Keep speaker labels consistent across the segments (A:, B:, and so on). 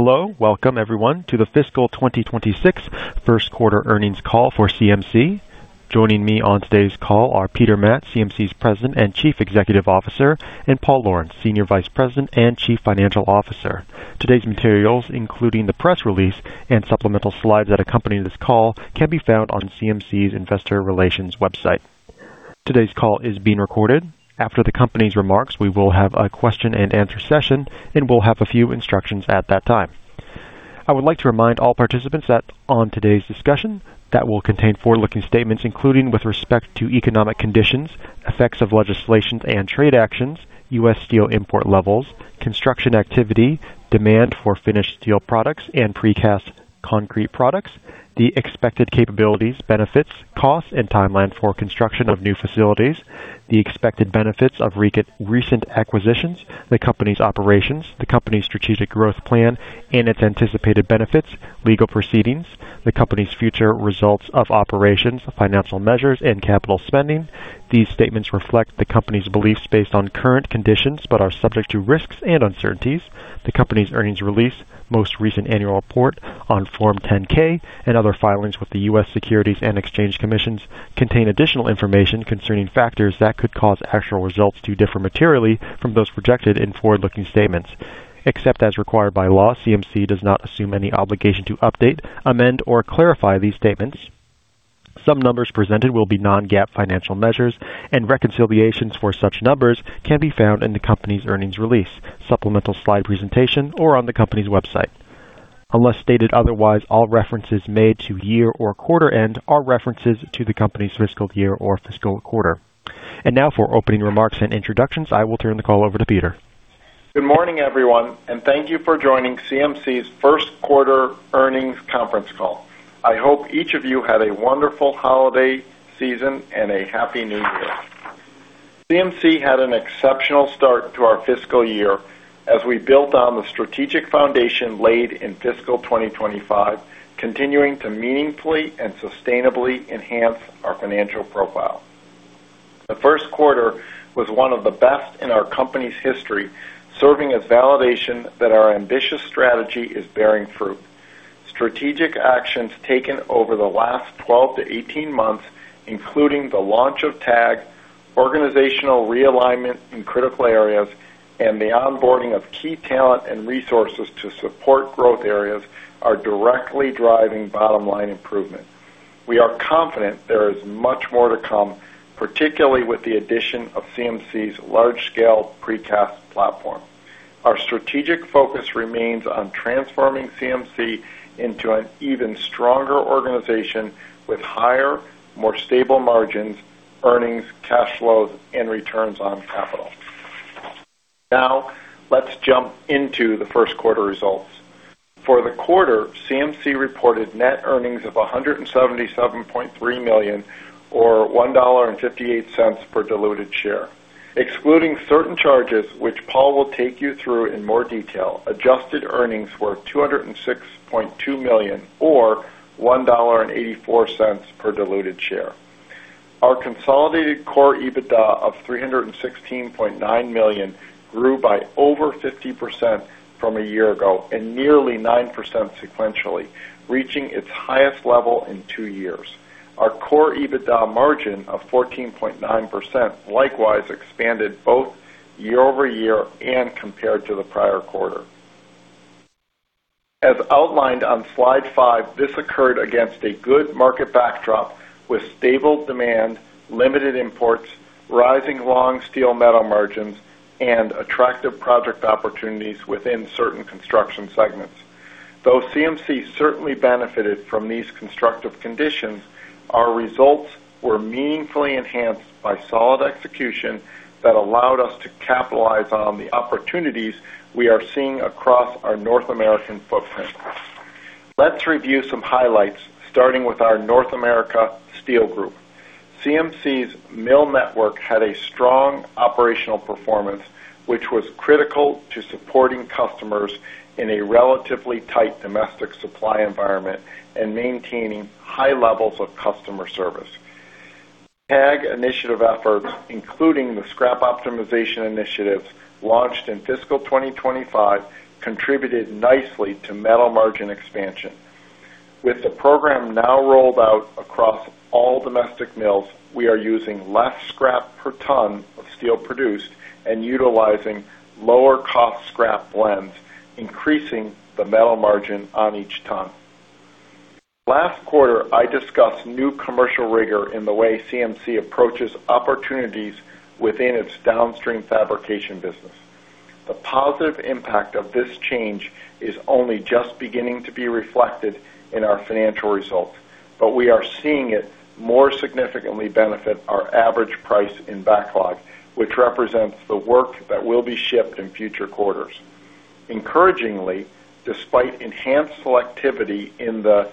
A: Hello, welcome everyone to the fiscal 2026 first quarter earnings call for CMC. Joining me on today's call are Peter Matt, CMC's President and Chief Executive Officer, and Paul Lawrence, Senior Vice President and Chief Financial Officer. Today's materials, including the press release and supplemental slides that accompany this call, can be found on CMC's Investor Relations website. Today's call is being recorded. After the company's remarks, we will have a question-and-answer session, and we'll have a few instructions at that time. I would like to remind all participants that on today's discussion that will contain forward-looking statements, including with respect to economic conditions, effects of legislations and trade actions, U.S. steel import levels, construction activity, demand for finished steel products and precast concrete products, the expected capabilities, benefits, costs, and timeline for construction of new facilities, the expected benefits of recent acquisitions, the company's operations, the company's strategic growth plan and its anticipated benefits, legal proceedings, the company's future results of operations, financial measures, and capital spending. These statements reflect the company's beliefs based on current conditions but are subject to risks and uncertainties. The company's earnings release, most recent annual report on Form 10-K, and other filings with the U.S. Securities and Exchange Commission contain additional information concerning factors that could cause actual results to differ materially from those projected in forward-looking statements. Except as required by law, CMC does not assume any obligation to update, amend, or clarify these statements. Some numbers presented will be non-GAAP financial measures, and reconciliations for such numbers can be found in the company's earnings release, supplemental slide presentation, or on the company's website. Unless stated otherwise, all references made to year or quarter end are references to the company's fiscal year or fiscal quarter. And now, for opening remarks and introductions, I will turn the call over to Peter.
B: Good morning, everyone, and thank you for joining CMC's first quarter earnings conference call. I hope each of you had a wonderful holiday season and a Happy New Year. CMC had an exceptional start to our fiscal year as we built on the strategic foundation laid in fiscal 2025, continuing to meaningfully and sustainably enhance our financial profile. The first quarter was one of the best in our company's history, serving as validation that our ambitious strategy is bearing fruit. Strategic actions taken over the last 12 to 18 months, including the launch of TAG, organizational realignment in critical areas, and the onboarding of key talent and resources to support growth areas, are directly driving bottom-line improvement. We are confident there is much more to come, particularly with the addition of CMC's large-scale precast platform. Our strategic focus remains on transforming CMC into an even stronger organization with higher, more stable margins, earnings, cash flows, and returns on capital. Now, let's jump into the first quarter results. For the quarter, CMC reported net earnings of $177.3 million, or $1.58 per diluted share. Excluding certain charges, which Paul will take you through in more detail, Adjusted Earnings were $206.2 million, or $1.84 per diluted share. Our consolidated Core EBITDA of $316.9 million grew by over 50% from a year ago and nearly 9% sequentially, reaching its highest level in two years. Our Core EBITDA margin of 14.9% likewise expanded both year-over-year and compared to the prior quarter. As outlined on slide five, this occurred against a good market backdrop with stable demand, limited imports, rising long steel metal margins, and attractive project opportunities within certain construction segments. Though CMC certainly benefited from these constructive conditions, our results were meaningfully enhanced by solid execution that allowed us to capitalize on the opportunities we are seeing across our North American footprint. Let's review some highlights, starting with our North America Steel Group. CMC's mill network had a strong operational performance, which was critical to supporting customers in a relatively tight domestic supply environment and maintaining high levels of customer service. TAG initiative efforts, including the scrap optimization initiatives launched in fiscal 2025, contributed nicely to metal margin expansion. With the program now rolled out across all domestic mills, we are using less scrap per ton of steel produced and utilizing lower-cost scrap blends, increasing the metal margin on each ton. Last quarter, I discussed new commercial rigor in the way CMC approaches opportunities within its downstream fabrication business. The positive impact of this change is only just beginning to be reflected in our financial results, but we are seeing it more significantly benefit our average price in backlog, which represents the work that will be shipped in future quarters. Encouragingly, despite enhanced selectivity in the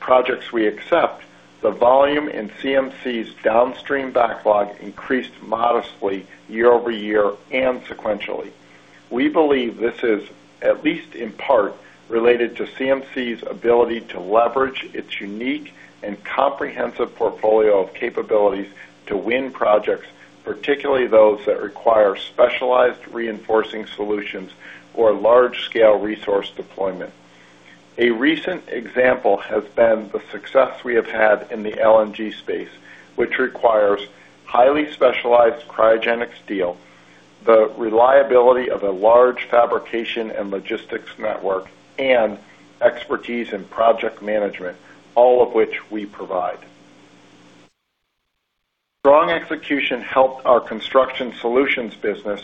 B: projects we accept, the volume in CMC's downstream backlog increased modestly year-over-year and sequentially. We believe this is at least in part related to CMC's ability to leverage its unique and comprehensive portfolio of capabilities to win projects, particularly those that require specialized reinforcing solutions or large-scale resource deployment. A recent example has been the success we have had in the LNG space, which requires highly specialized cryogenic steel, the reliability of a large fabrication and logistics network, and expertise in project management, all of which we provide. Strong execution helped our Construction Solutions Group,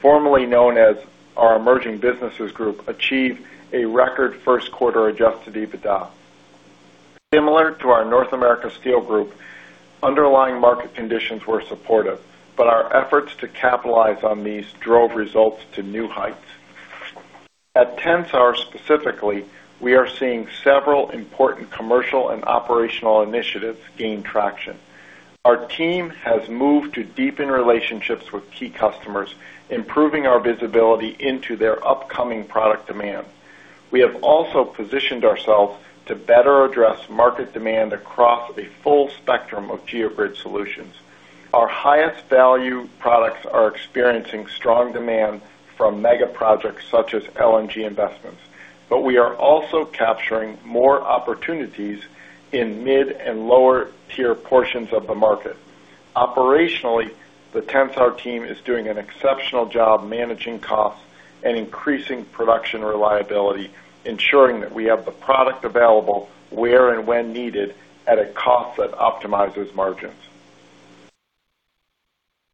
B: formerly known as our Emerging Businesses Group, achieve a record first quarter Adjusted EBITDA. Similar to our North America Steel Group, underlying market conditions were supportive, but our efforts to capitalize on these drove results to new heights. At Tensar specifically, we are seeing several important commercial and operational initiatives gain traction. Our team has moved to deepen relationships with key customers, improving our visibility into their upcoming product demand. We have also positioned ourselves to better address market demand across a full spectrum of Geogrid solutions. Our highest value products are experiencing strong demand from mega projects such as LNG investments, but we are also capturing more opportunities in mid and lower-tier portions of the market. Operationally, the Tensar team is doing an exceptional job managing costs and increasing production reliability, ensuring that we have the product available where and when needed at a cost that optimizes margins.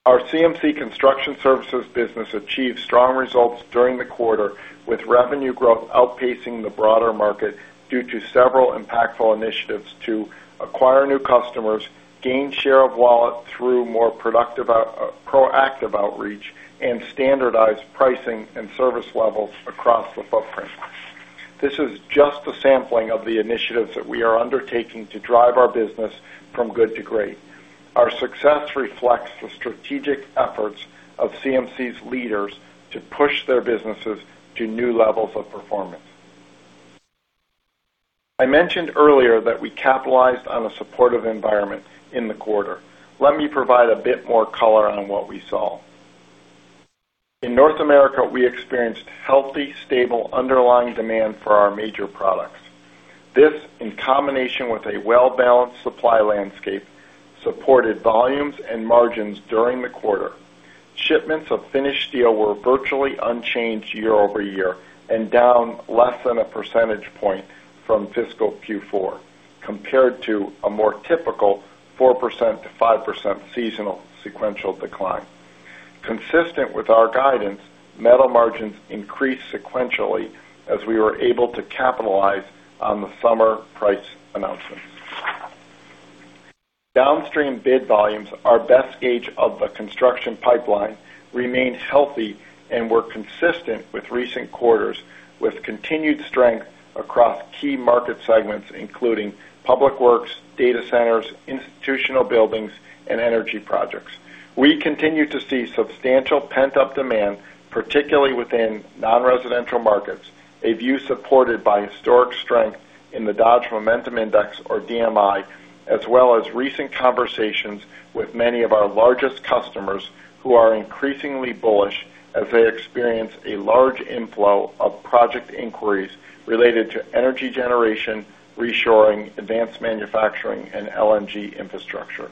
B: Our CMC Construction Services business achieved strong results during the quarter, with revenue growth outpacing the broader market due to several impactful initiatives to acquire new customers, gain share of wallet through more proactive outreach, and standardize pricing and service levels across the footprint. This is just a sampling of the initiatives that we are undertaking to drive our business from good to great. Our success reflects the strategic efforts of CMC's leaders to push their businesses to new levels of performance. I mentioned earlier that we capitalized on a supportive environment in the quarter. Let me provide a bit more color on what we saw. In North America, we experienced healthy, stable underlying demand for our major products. This, in combination with a well-balanced supply landscape, supported volumes and margins during the quarter. Shipments of finished steel were virtually unchanged year-over-year and down less than a percentage point from fiscal Q4, compared to a more typical 4%-5% seasonal sequential decline. Consistent with our guidance, metal margins increased sequentially as we were able to capitalize on the summer price announcements. Downstream bid volumes, our best gauge of the construction pipeline, remained healthy and were consistent with recent quarters, with continued strength across key market segments, including public works, data centers, institutional buildings, and energy projects. We continue to see substantial pent-up demand, particularly within non-residential markets, a view supported by historic strength in the Dodge Momentum Index, or DMI, as well as recent conversations with many of our largest customers who are increasingly bullish as they experience a large inflow of project inquiries related to energy generation, reshoring, advanced manufacturing, and LNG infrastructure.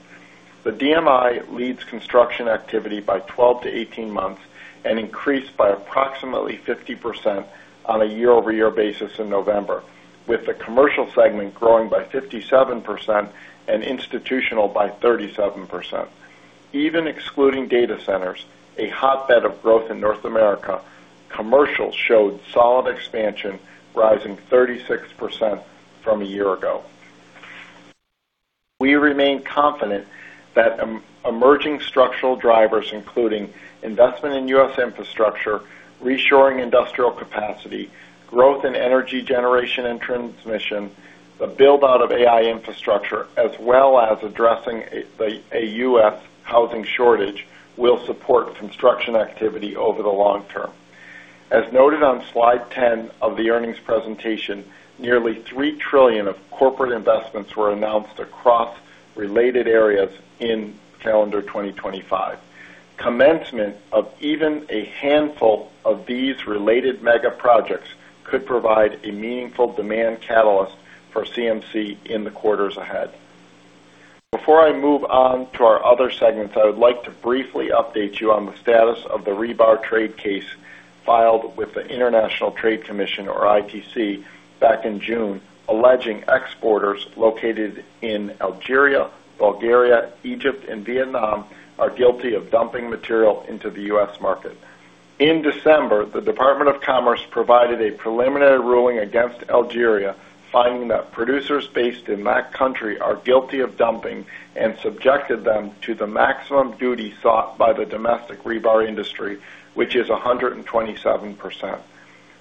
B: The DMI leads construction activity by 12 to 18 months and increased by approximately 50% on a year-over-year basis in November, with the commercial segment growing by 57% and institutional by 37%. Even excluding data centers, a hotbed of growth in North America, commercial showed solid expansion, rising 36% from a year ago. We remain confident that emerging structural drivers, including investment in U.S. infrastructure, reshoring industrial capacity, growth in energy generation and transmission, the build-out of AI infrastructure, as well as addressing a U.S. Housing shortage will support construction activity over the long term. As noted on slide 10 of the earnings presentation, nearly $3 trillion of corporate investments were announced across related areas in calendar 2025. Commencement of even a handful of these related mega projects could provide a meaningful demand catalyst for CMC in the quarters ahead. Before I move on to our other segments, I would like to briefly update you on the status of the rebar trade case filed with the International Trade Commission, or ITC, back in June, alleging exporters located in Algeria, Bulgaria, Egypt, and Vietnam are guilty of dumping material into the U.S. market. In December, the Department of Commerce provided a preliminary ruling against Algeria, finding that producers based in that country are guilty of dumping and subjected them to the maximum duty sought by the domestic rebar industry, which is 127%.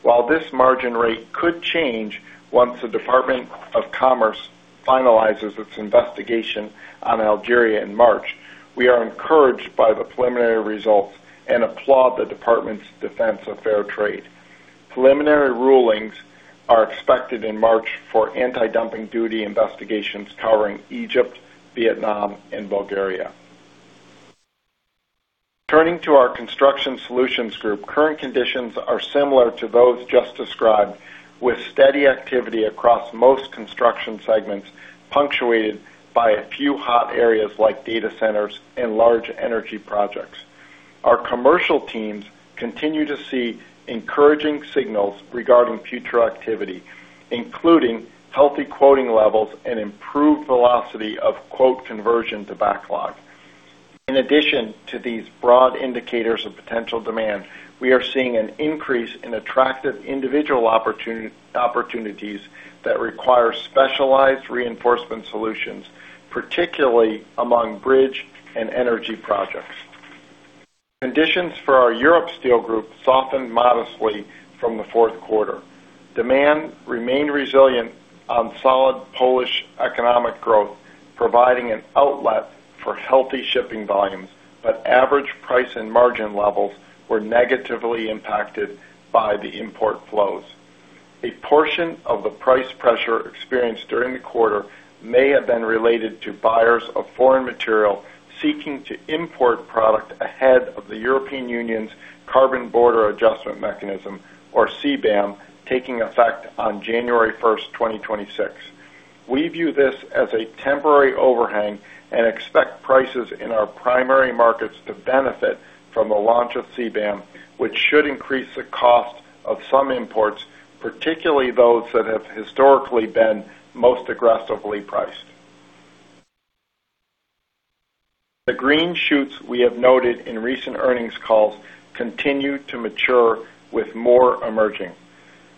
B: While this margin rate could change once the Department of Commerce finalizes its investigation on Algeria in March, we are encouraged by the preliminary results and applaud the department's defense of fair trade. Preliminary rulings are expected in March for anti-dumping duty investigations covering Egypt, Vietnam, and Bulgaria. Turning to our Construction Solutions Group, current conditions are similar to those just described, with steady activity across most construction segments, punctuated by a few hot areas like data centers and large energy projects. Our commercial teams continue to see encouraging signals regarding future activity, including healthy quoting levels and improved velocity of quote conversion to backlog. In addition to these broad indicators of potential demand, we are seeing an increase in attractive individual opportunities that require specialized reinforcement solutions, particularly among bridge and energy projects. Conditions for our Europe Steel Group softened modestly from the fourth quarter. Demand remained resilient on solid Polish economic growth, providing an outlet for healthy shipping volumes, but average price and margin levels were negatively impacted by the import flows. A portion of the price pressure experienced during the quarter may have been related to buyers of foreign material seeking to import product ahead of the European Union's carbon border adjustment mechanism, or CBAM, taking effect on January 1, 2026. We view this as a temporary overhang and expect prices in our primary markets to benefit from the launch of CBAM, which should increase the cost of some imports, particularly those that have historically been most aggressively priced. The green shoots we have noted in recent earnings calls continue to mature with more emerging.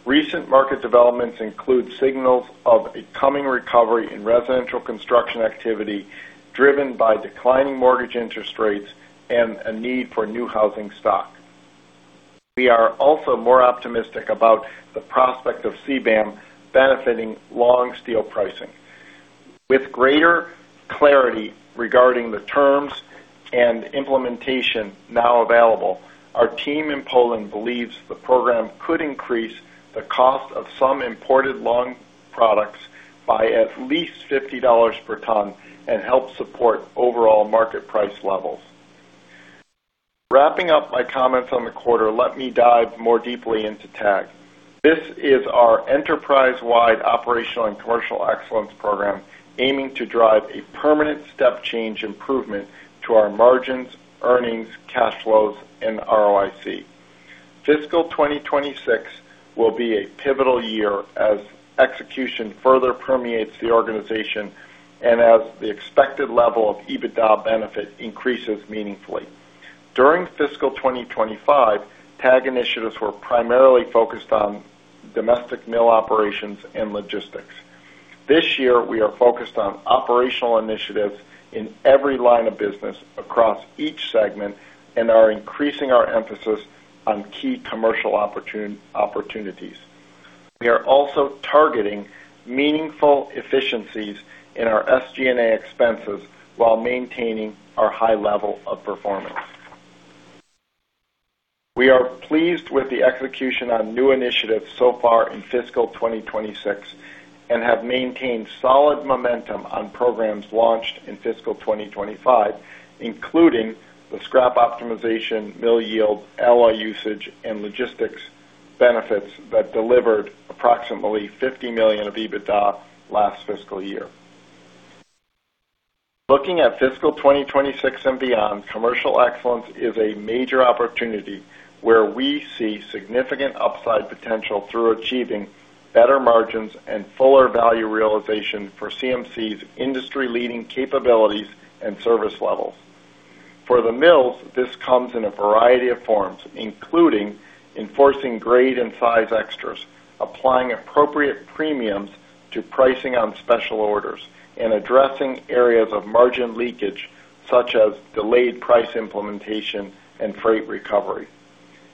B: Recent market developments include signals of a coming recovery in residential construction activity driven by declining mortgage interest rates and a need for new housing stock. We are also more optimistic about the prospect of CBAM benefiting long steel pricing. With greater clarity regarding the terms and implementation now available, our team in Poland believes the program could increase the cost of some imported long products by at least $50 per ton and help support overall market price levels. Wrapping up my comments on the quarter, let me dive more deeply into TAG. This is our enterprise-wide operational and commercial excellence program, aiming to drive a permanent step change improvement to our margins, earnings, cash flows, and ROIC. Fiscal 2026 will be a pivotal year as execution further permeates the organization and as the expected level of EBITDA benefit increases meaningfully. During fiscal 2025, TAG initiatives were primarily focused on domestic mill operations and logistics. This year, we are focused on operational initiatives in every line of business across each segment and are increasing our emphasis on key commercial opportunities. We are also targeting meaningful efficiencies in our SG&A expenses while maintaining our high level of performance. We are pleased with the execution on new initiatives so far in fiscal 2026 and have maintained solid momentum on programs launched in fiscal 2025, including the scrap optimization, mill yield, alloy usage, and logistics benefits that delivered approximately $50 million of EBITDA last fiscal year. Looking at fiscal 2026 and beyond, commercial excellence is a major opportunity where we see significant upside potential through achieving better margins and fuller value realization for CMC's industry-leading capabilities and service levels. For the mills, this comes in a variety of forms, including enforcing grade and size extras, applying appropriate premiums to pricing on special orders, and addressing areas of margin leakage such as delayed price implementation and freight recovery.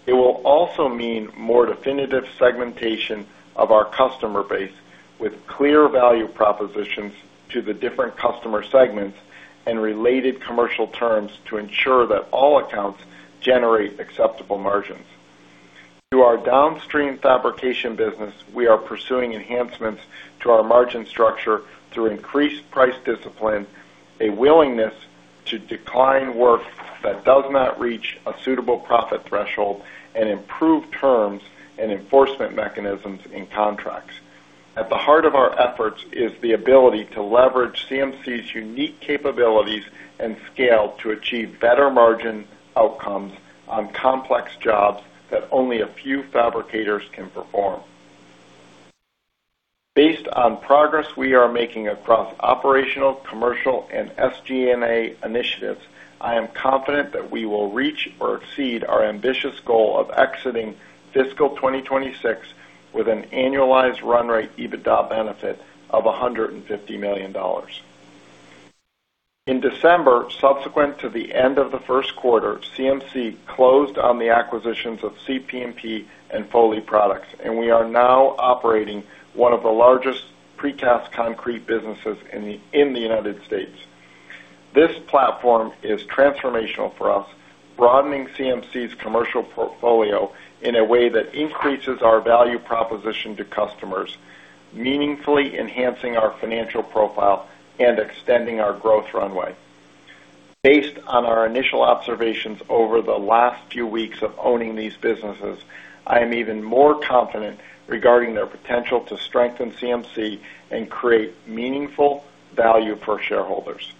B: It will also mean more definitive segmentation of our customer base with clear value propositions to the different customer segments and related commercial terms to ensure that all accounts generate acceptable margins. To our downstream fabrication business, we are pursuing enhancements to our margin structure through increased price discipline, a willingness to decline work that does not reach a suitable profit threshold, and improved terms and enforcement mechanisms in contracts. At the heart of our efforts is the ability to leverage CMC's unique capabilities and scale to achieve better margin outcomes on complex jobs that only a few fabricators can perform. Based on progress we are making across operational, commercial, and SG&A initiatives, I am confident that we will reach or exceed our ambitious goal of exiting fiscal 2026 with an annualized run rate EBITDA benefit of $150 million. In December, subsequent to the end of the first quarter, CMC closed on the acquisitions of CP&P and Foley Products, and we are now operating one of the largest precast concrete businesses in the United States. This platform is transformational for us, broadening CMC's commercial portfolio in a way that increases our value proposition to customers, meaningfully enhancing our financial profile and extending our growth runway. Based on our initial observations over the last few weeks of owning these businesses, I am even more confident regarding their potential to strengthen CMC and create meaningful value for shareholders.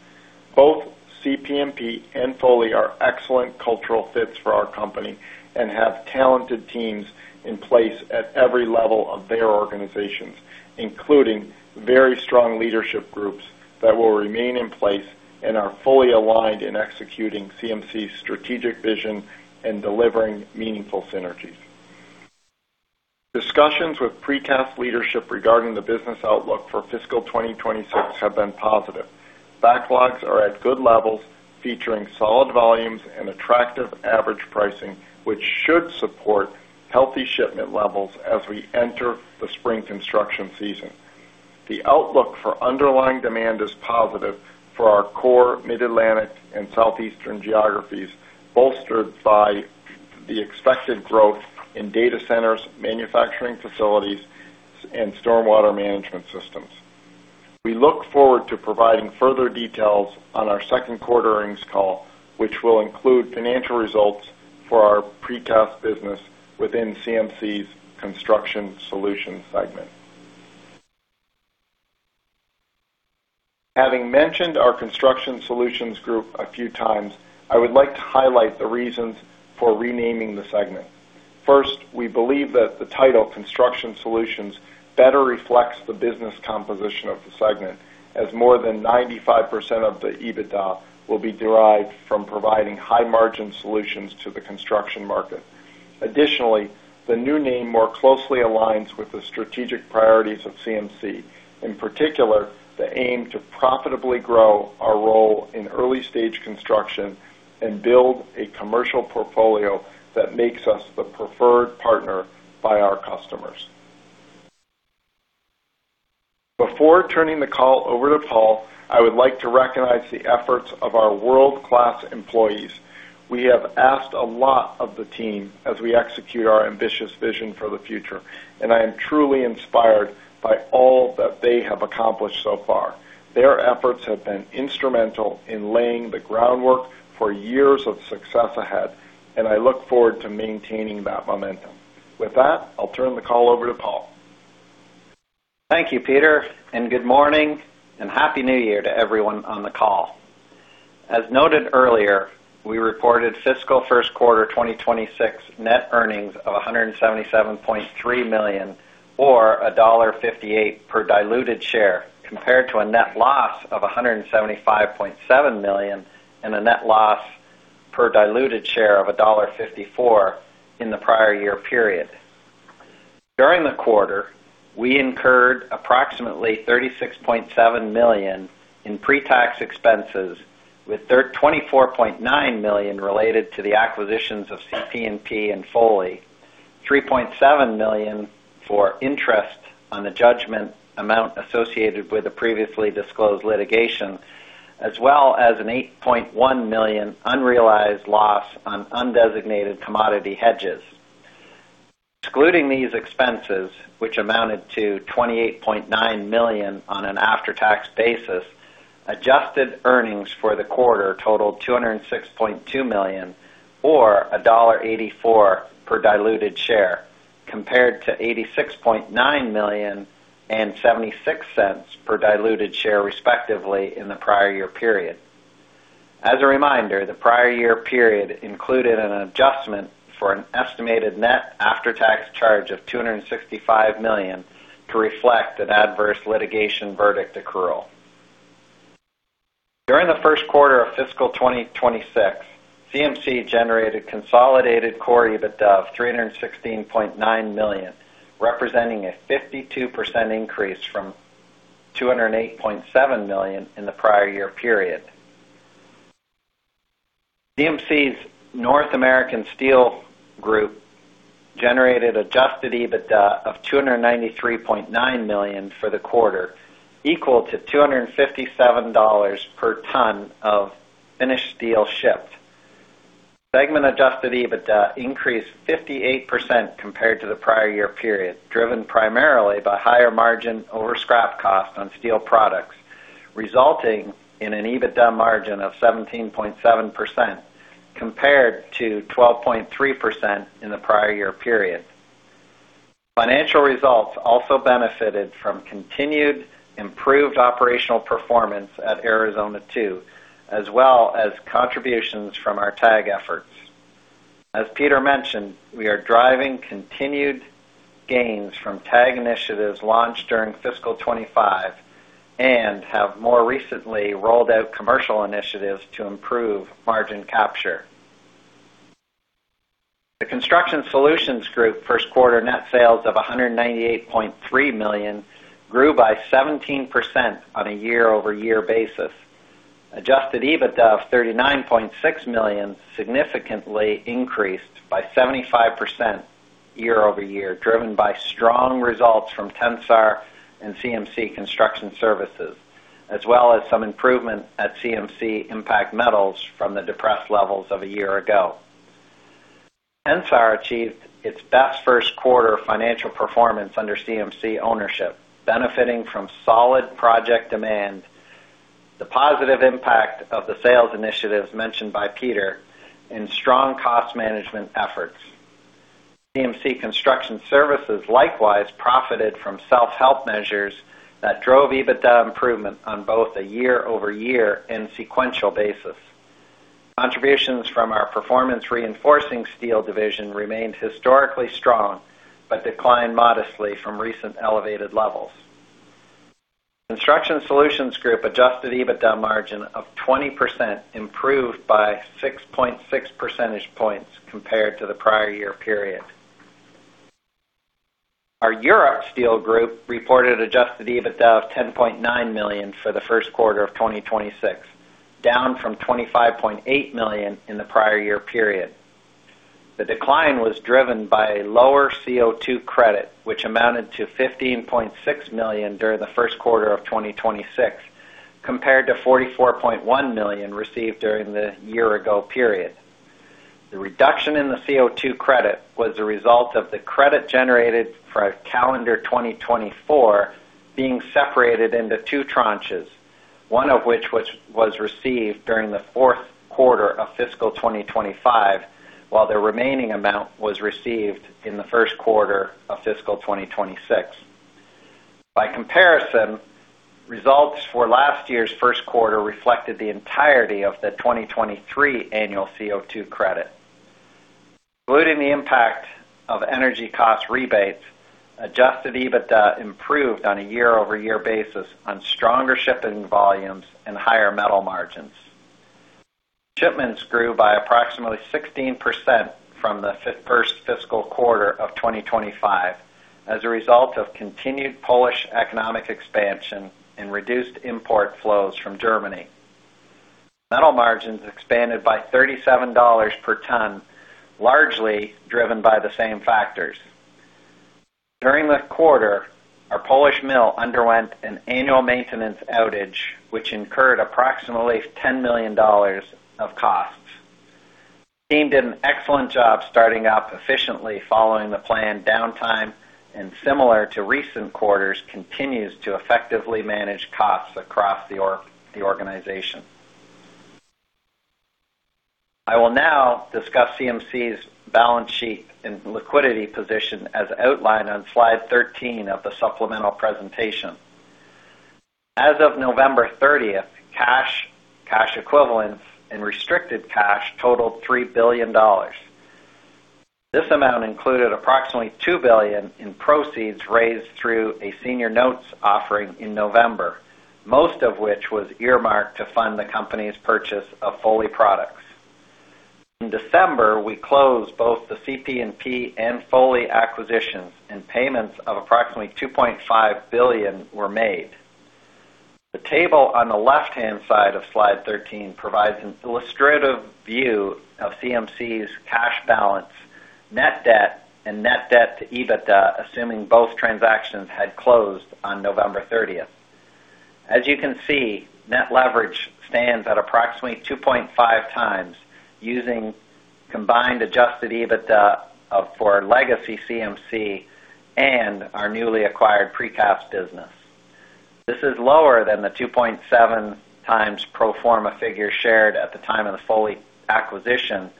B: Both CP&P and Foley are excellent cultural fits for our company and have talented teams in place at every level of their organizations, including very strong leadership groups that will remain in place and are fully aligned in executing CMC's strategic vision and delivering meaningful synergies. Discussions with precast leadership regarding the business outlook for fiscal 2026 have been positive. Backlogs are at good levels, featuring solid volumes and attractive average pricing, which should support healthy shipment levels as we enter the spring construction season. The outlook for underlying demand is positive for our core Mid-Atlantic and southeastern geographies, bolstered by the expected growth in data centers, manufacturing facilities, and stormwater management systems. We look forward to providing further details on our second quarter earnings call, which will include financial results for our precast business within CMC's construction solutions segment. Having mentioned our Construction Solutions Group a few times, I would like to highlight the reasons for renaming the segment. First, we believe that the title, Construction Solutions, better reflects the business composition of the segment, as more than 95% of the EBITDA will be derived from providing high-margin solutions to the construction market. Additionally, the new name more closely aligns with the strategic priorities of CMC, in particular the aim to profitably grow our role in early-stage construction and build a commercial portfolio that makes us the preferred partner by our customers. Before turning the call over to Paul, I would like to recognize the efforts of our world-class employees. We have asked a lot of the team as we execute our ambitious vision for the future, and I am truly inspired by all that they have accomplished so far. Their efforts have been instrumental in laying the groundwork for years of success ahead, and I look forward to maintaining that momentum. With that, I'll turn the call over to Paul.
C: Thank you, Peter, and good morning and happy New Year to everyone on the call. As noted earlier, we reported fiscal first quarter 2026 net earnings of $177.3 million, or $1.58 per diluted share, compared to a net loss of $175.7 million and a net loss per diluted share of $1.54 in the prior year period. During the quarter, we incurred approximately $36.7 million in pre-tax expenses, with $24.9 million related to the acquisitions of CP&P and Foley, $3.7 million for interest on the judgment amount associated with the previously disclosed litigation, as well as an $8.1 million unrealized loss on undesignated commodity hedges. Excluding these expenses, which amounted to $28.9 million on an after-tax basis, adjusted earnings for the quarter totaled $206.2 million, or $1.84 per diluted share, compared to $86.9 million and $0.76 per diluted share, respectively, in the prior year period. As a reminder, the prior year period included an adjustment for an estimated net after-tax charge of $265 million to reflect an adverse litigation verdict accrual. During the first quarter of fiscal 2026, CMC generated consolidated Core EBITDA of $316.9 million, representing a 52% increase from $208.7 million in the prior year period. CMC's North American Steel Group generated Adjusted EBITDA of $293.9 million for the quarter, equal to $257 per ton of finished steel shipped. Segment adjusted EBITDA increased 58% compared to the prior year period, driven primarily by higher margin over scrap cost on steel products, resulting in an EBITDA margin of 17.7% compared to 12.3% in the prior year period. Financial results also benefited from continued improved operational performance at Arizona 2, as well as contributions from our TAG efforts. As Peter mentioned, we are driving continued gains from TAG initiatives launched during fiscal 2025 and have more recently rolled out commercial initiatives to improve margin capture. The Construction Solutions Group first quarter net sales of $198.3 million grew by 17% on a year-over-year basis. Adjusted EBITDA of $39.6 million significantly increased by 75% year-over-year, driven by strong results from Tensar and CMC Construction Services, as well as some improvement at CMC Impact Metals from the depressed levels of a year ago. Tensar achieved its best first quarter financial performance under CMC ownership, benefiting from solid project demand, the positive impact of the sales initiatives mentioned by Peter, and strong cost management efforts. CMC Construction Services likewise profited from self-help measures that drove EBITDA improvement on both a year-over-year and sequential basis. Contributions from our performance reinforcing steel division remained historically strong but declined modestly from recent elevated levels. Construction Solutions Group adjusted EBITDA margin of 20% improved by 6.6 percentage points compared to the prior year period. Our Europe Steel Group reported adjusted EBITDA of $10.9 million for the first quarter of 2026, down from $25.8 million in the prior year period. The decline was driven by a lower CO2 credit, which amounted to $15.6 million during the first quarter of 2026, compared to $44.1 million received during the year-ago period. The reduction in the CO2 credit was the result of the credit generated for calendar 2024 being separated into two tranches, one of which was received during the fourth quarter of fiscal 2025, while the remaining amount was received in the first quarter of fiscal 2026. By comparison, results for last year's first quarter reflected the entirety of the 2023 annual CO2 credit. Including the impact of energy cost rebates, Adjusted EBITDA improved on a year-over-year basis on stronger shipping volumes and higher metal margins. Shipments grew by approximately 16% from the first fiscal quarter of 2025 as a result of continued Polish economic expansion and reduced import flows from Germany. Metal margins expanded by $37 per ton, largely driven by the same factors. During the quarter, our Polish mill underwent an annual maintenance outage, which incurred approximately $10 million of costs. The team did an excellent job starting up efficiently following the planned downtime, and similar to recent quarters, continues to effectively manage costs across the organization. I will now discuss CMC's balance sheet and liquidity position as outlined on slide 13 of the supplemental presentation. As of November 30, cash, cash equivalents, and restricted cash totaled $3 billion. This amount included approximately $2 billion in proceeds raised through a senior notes offering in November, most of which was earmarked to fund the company's purchase of Foley Products. In December, we closed both the CP&P and Foley acquisitions, and payments of approximately $2.5 billion were made. The table on the left-hand side of slide 13 provides an illustrative view of CMC's cash balance, net debt, and net debt to EBITDA, assuming both transactions had closed on November 30. As you can see, net leverage stands at approximately 2.5x using combined Adjusted EBITDA for legacy CMC and our newly acquired precast business. This is lower than the 2.7x pro forma figure shared at the time of the Foley acquisition,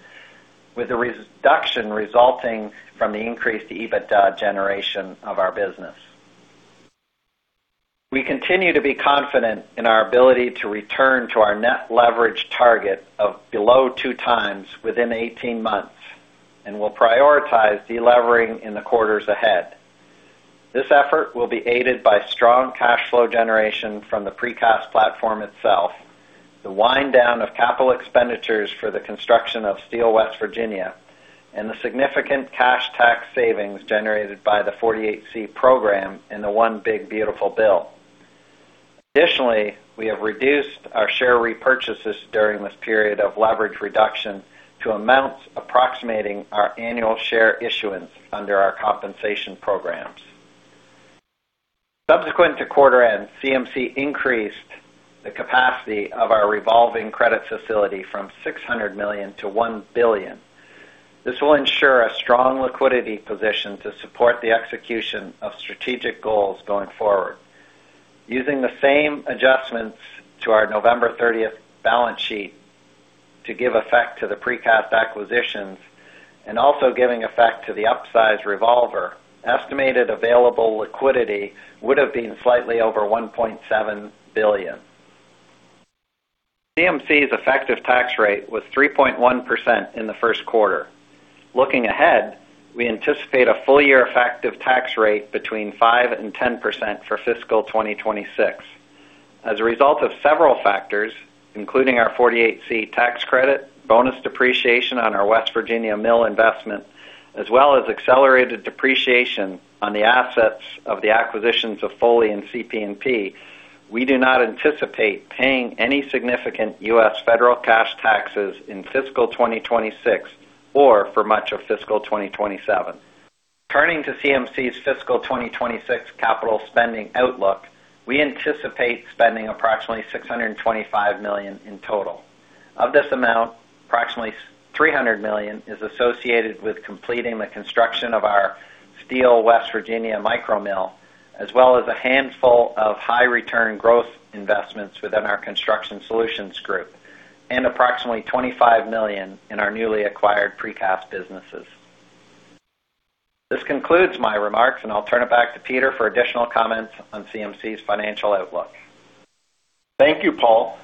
C: with the reduction resulting from the increased EBITDA generation of our business. We continue to be confident in our ability to return to our net leverage target of below two times within 18 months, and we'll prioritize delevering in the quarters ahead. This effort will be aided by strong cash flow generation from the precast platform itself, the wind down of capital expenditures for the construction of Steel West Virginia, and the significant cash tax savings generated by the 48C program and the One Big Beautiful Bill. Additionally, we have reduced our share repurchases during this period of leverage reduction to amounts approximating our annual share issuance under our compensation programs. Subsequent to quarter end, CMC increased the capacity of our revolving credit facility from $600 million to $1 billion. This will ensure a strong liquidity position to support the execution of strategic goals going forward. Using the same adjustments to our November 30 balance sheet to give effect to the precast acquisitions and also giving effect to the upsize revolver, estimated available liquidity would have been slightly over $1.7 billion. CMC's effective tax rate was 3.1% in the first quarter. Looking ahead, we anticipate a full-year effective tax rate between 5% and 10% for fiscal 2026. As a result of several factors, including our 48C tax credit, bonus depreciation on our West Virginia mill investment, as well as accelerated depreciation on the assets of the acquisitions of Foley and CP&P, we do not anticipate paying any significant U.S. federal cash taxes in fiscal 2026 or for much of fiscal 2027. Turning to CMC's fiscal 2026 capital spending outlook, we anticipate spending approximately $625 million in total. Of this amount, approximately $300 million is associated with completing the construction of our Steel West Virginia micromill, as well as a handful of high-return growth investments within our Construction Solutions Group, and approximately $25 million in our newly acquired precast businesses. This concludes my remarks, and I'll turn it back to Peter for additional comments on CMC's financial outlook.
B: Thank you, Paul.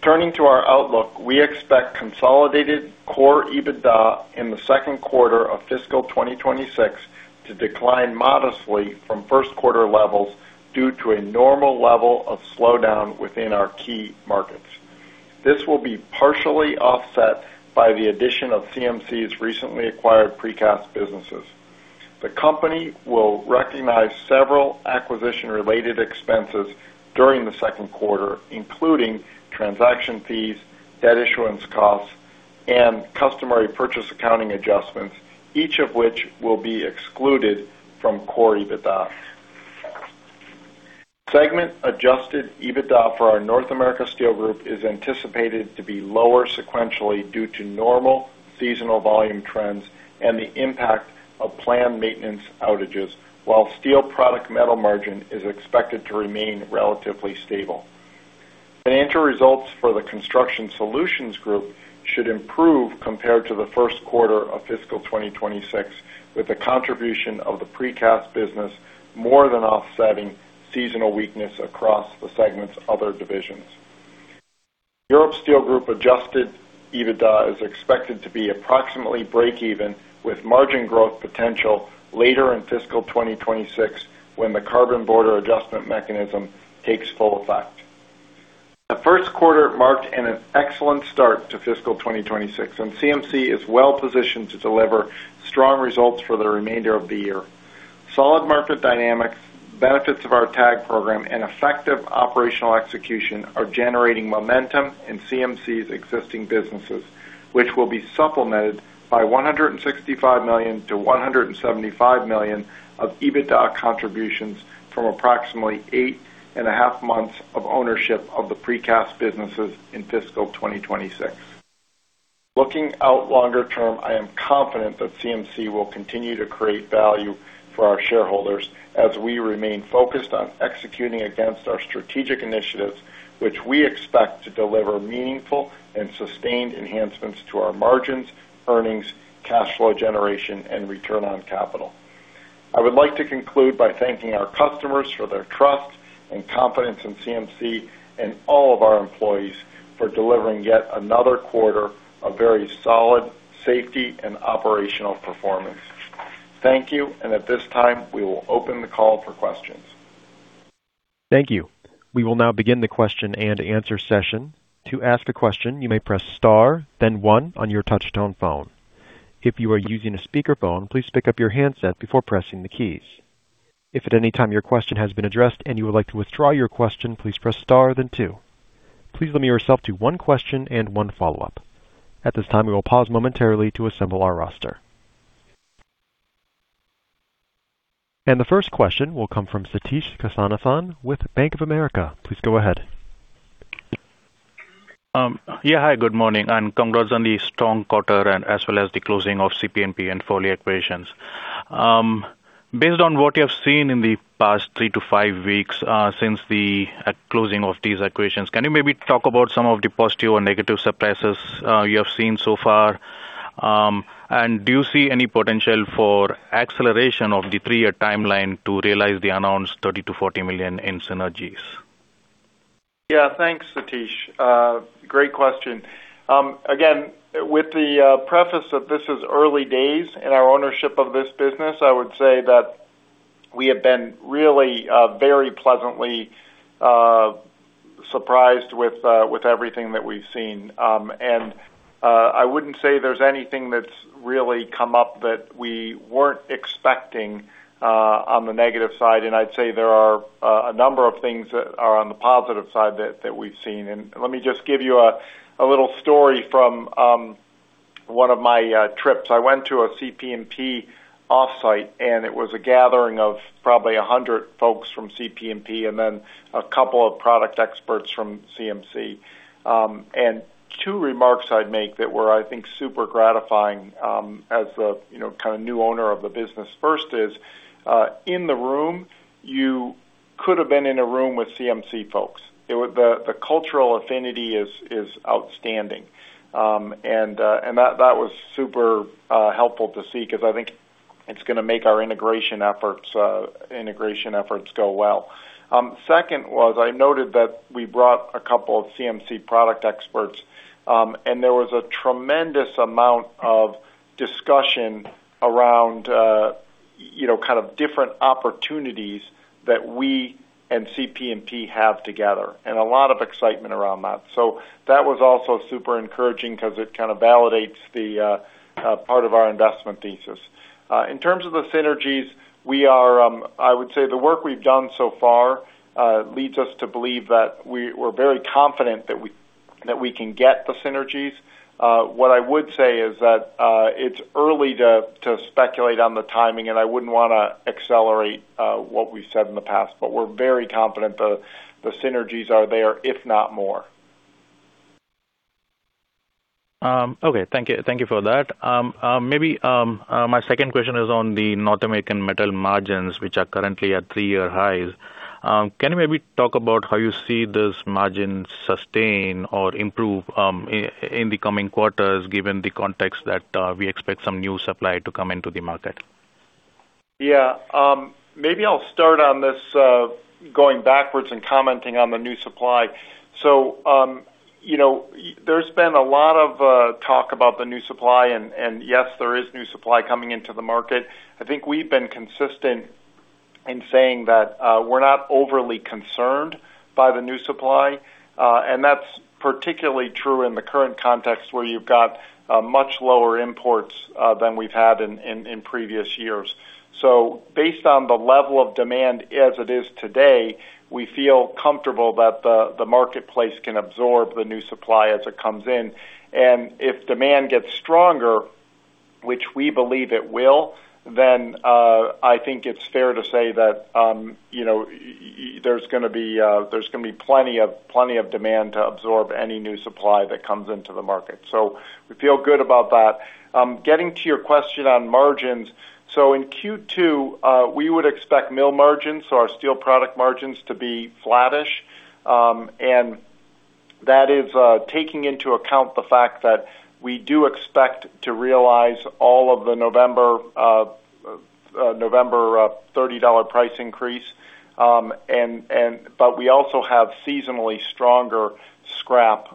B: Turning to our outlook, we expect consolidated Core EBITDA in the second quarter of fiscal 2026 to decline modestly from first quarter levels due to a normal level of slowdown within our key markets. This will be partially offset by the addition of CMC's recently acquired precast businesses. The company will recognize several acquisition-related expenses during the second quarter, including transaction fees, debt issuance costs, and customary purchase accounting adjustments, each of which will be excluded from Core EBITDA. Segment Adjusted EBITDA for our North America Steel Group is anticipated to be lower sequentially due to normal seasonal volume trends and the impact of planned maintenance outages, while steel product metal margin is expected to remain relatively stable. Financial results for the Construction Solutions Group should improve compared to the first quarter of fiscal 2026, with the contribution of the precast business more than offsetting seasonal weakness across the segment's other divisions. Europe Steel Group Adjusted EBITDA is expected to be approximately break-even, with margin growth potential later in fiscal 2026 when the Carbon Border Adjustment Mechanism takes full effect. The first quarter marked an excellent start to fiscal 2026, and CMC is well positioned to deliver strong results for the remainder of the year. Solid market dynamics, benefits of our TAG program, and effective operational execution are generating momentum in CMC's existing businesses, which will be supplemented by $165 million-$175 million of EBITDA contributions from approximately 8.5 months of ownership of the precast businesses in fiscal 2026. Looking out longer term, I am confident that CMC will continue to create value for our shareholders as we remain focused on executing against our strategic initiatives, which we expect to deliver meaningful and sustained enhancements to our margins, earnings, cash flow generation, and return on capital. I would like to conclude by thanking our customers for their trust and confidence in CMC and all of our employees for delivering yet another quarter of very solid safety and operational performance. Thank you, and at this time, we will open the call for questions.
A: Thank you. We will now begin the question and answer session. To ask a question, you may press star, then one on your touch-tone phone. If you are using a speakerphone, please pick up your handset before pressing the keys. If at any time your question has been addressed and you would like to withdraw your question, please press star, then two. Please limit yourself to one question and one follow-up. At this time, we will pause momentarily to assemble our roster. The first question will come from Satish Kasinathan with Bank of America. Please go ahead.
D: Yeah. Hi. Good morning. Congrats on the strong quarter and as well as the closing of CP&P and Foley acquisitions. Based on what you have seen in the past three to five weeks since the closing of these acquisitions, can you maybe talk about some of the positive or negative surprises you have seen so far? And do you see any potential for acceleration of the three-year timeline to realize the announced $30 million-$40 million in synergies?
B: Yeah. Thanks, Satish. Great question. Again, with the preface of this is early days in our ownership of this business, I would say that we have been really very pleasantly surprised with everything that we've seen. And I wouldn't say there's anything that's really come up that we weren't expecting on the negative side, and I'd say there are a number of things that are on the positive side that we've seen. And let me just give you a little story from one of my trips. I went to a CP&P offsite, and it was a gathering of probably 100 folks from CP&P and then a couple of product experts from CMC. And two remarks I'd make that were, I think, super gratifying as the kind of new owner of the business. First is, in the room, you could have been in a room with CMC folks. The cultural affinity is outstanding, and that was super helpful to see because I think it's going to make our integration efforts go well. Second was I noted that we brought a couple of CMC product experts, and there was a tremendous amount of discussion around kind of different opportunities that we and CP&P have together, and a lot of excitement around that. So that was also super encouraging because it kind of validates the part of our investment thesis. In terms of the synergies, I would say the work we've done so far leads us to believe that we're very confident that we can get the synergies. What I would say is that it's early to speculate on the timing, and I wouldn't want to accelerate what we've said in the past, but we're very confident the synergies are there, if not more.
D: Okay. Thank you for that. Maybe my second question is on the North American metal margins, which are currently at three-year highs. Can you maybe talk about how you see this margin sustain or improve in the coming quarters given the context that we expect some new supply to come into the market?
B: Yeah. Maybe I'll start on this going backwards and commenting on the new supply. So there's been a lot of talk about the new supply, and yes, there is new supply coming into the market. I think we've been consistent in saying that we're not overly concerned by the new supply, and that's particularly true in the current context where you've got much lower imports than we've had in previous years. So based on the level of demand as it is today, we feel comfortable that the marketplace can absorb the new supply as it comes in. If demand gets stronger, which we believe it will, then I think it's fair to say that there's going to be plenty of demand to absorb any new supply that comes into the market. We feel good about that. Getting to your question on margins, in Q2, we would expect mill margins, so our steel product margins, to be flattish, and that is taking into account the fact that we do expect to realize all of the November $30 price increase, but we also have seasonally stronger scrap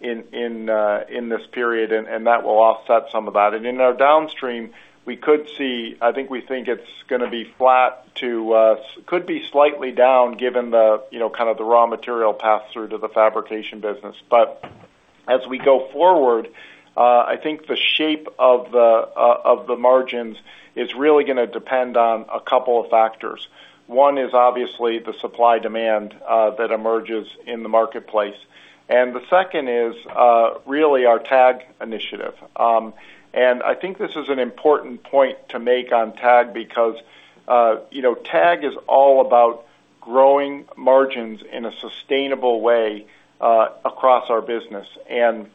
B: in this period, and that will offset some of that. In our downstream, we could see. I think it's going to be flat to slightly down given kind of the raw material pass-through to the fabrication business. But as we go forward, I think the shape of the margins is really going to depend on a couple of factors. One is obviously the supply-demand that emerges in the marketplace, and the second is really our TAG initiative. And I think this is an important point to make on TAG because TAG is all about growing margins in a sustainable way across our business, and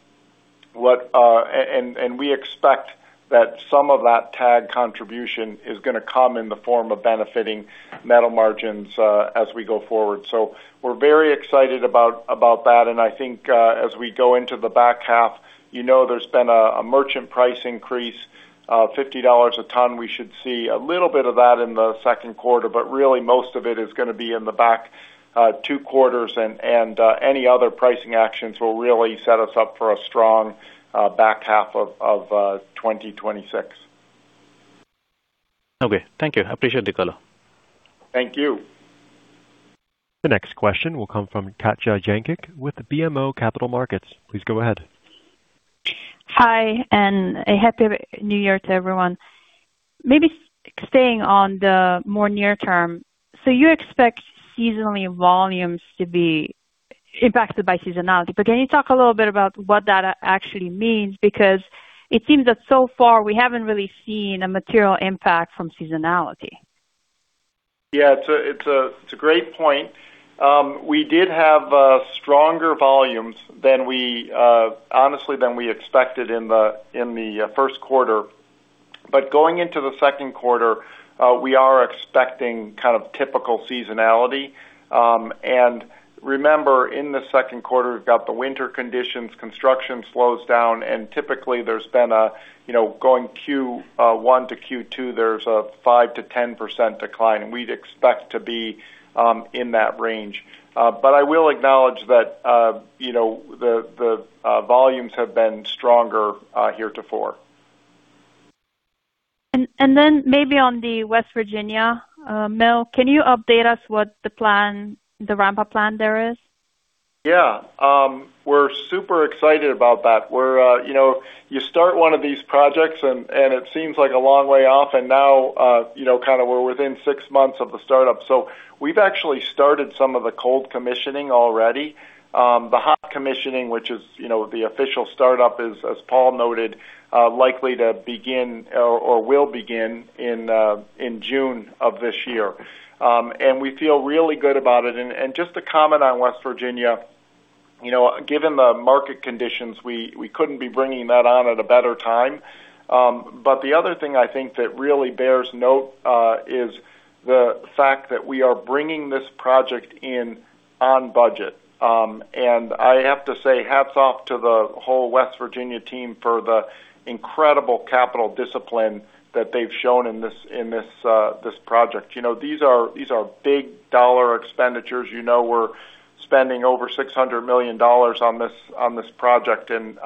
B: we expect that some of that TAG contribution is going to come in the form of benefiting metal margins as we go forward. So we're very excited about that, and I think as we go into the back half, there's been a merchant price increase, $50 a ton. We should see a little bit of that in the second quarter, but really most of it is going to be in the back two quarters, and any other pricing actions will really set us up for a strong back half of 2026.
D: Okay. Thank you. I appreciate the call.
B: Thank you.
A: The next question will come from Katja Jancic with BMO Capital Markets. Please go ahead.
E: Hi, and a happy New Year to everyone. Maybe staying on the more near term, so you expect seasonal volumes to be impacted by seasonality, but can you talk a little bit about what that actually means? Because it seems that so far we haven't really seen a material impact from seasonality.
B: Yeah. It's a great point. We did have stronger volumes honestly than we expected in the first quarter, but going into the second quarter, we are expecting kind of typical seasonality. Remember, in the second quarter, we've got the winter conditions, construction slows down, and typically there's been a going Q1 to Q2, there's a 5%-10% decline, and we'd expect to be in that range. But I will acknowledge that the volumes have been stronger heretofore.
E: And then maybe on the West Virginia mill, can you update us what the plan, the ramp-up plan there is?
B: Yeah. We're super excited about that. You start one of these projects, and it seems like a long way off, and now kind of we're within six months of the startup. So we've actually started some of the cold commissioning already. The hot commissioning, which is the official startup, is, as Paul noted, likely to begin or will begin in June of this year. And we feel really good about it. Just to comment on West Virginia, given the market conditions, we couldn't be bringing that on at a better time. But the other thing I think that really bears note is the fact that we are bringing this project in on budget. I have to say hats off to the whole West Virginia team for the incredible capital discipline that they've shown in this project. These are big dollar expenditures. We're spending over $600 million on this project, and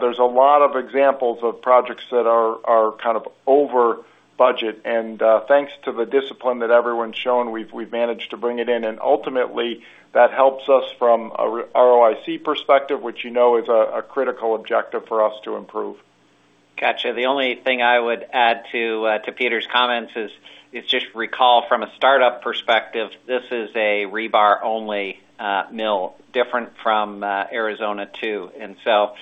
B: there's a lot of examples of projects that are kind of over budget. Thanks to the discipline that everyone's shown, we've managed to bring it in, and ultimately that helps us from our ROIC perspective, which is a critical objective for us to improve.
C: Gotcha. The only thing I would add to Peter's comments is just recall from a startup perspective, this is a rebar-only mill, different from Arizona 2. And so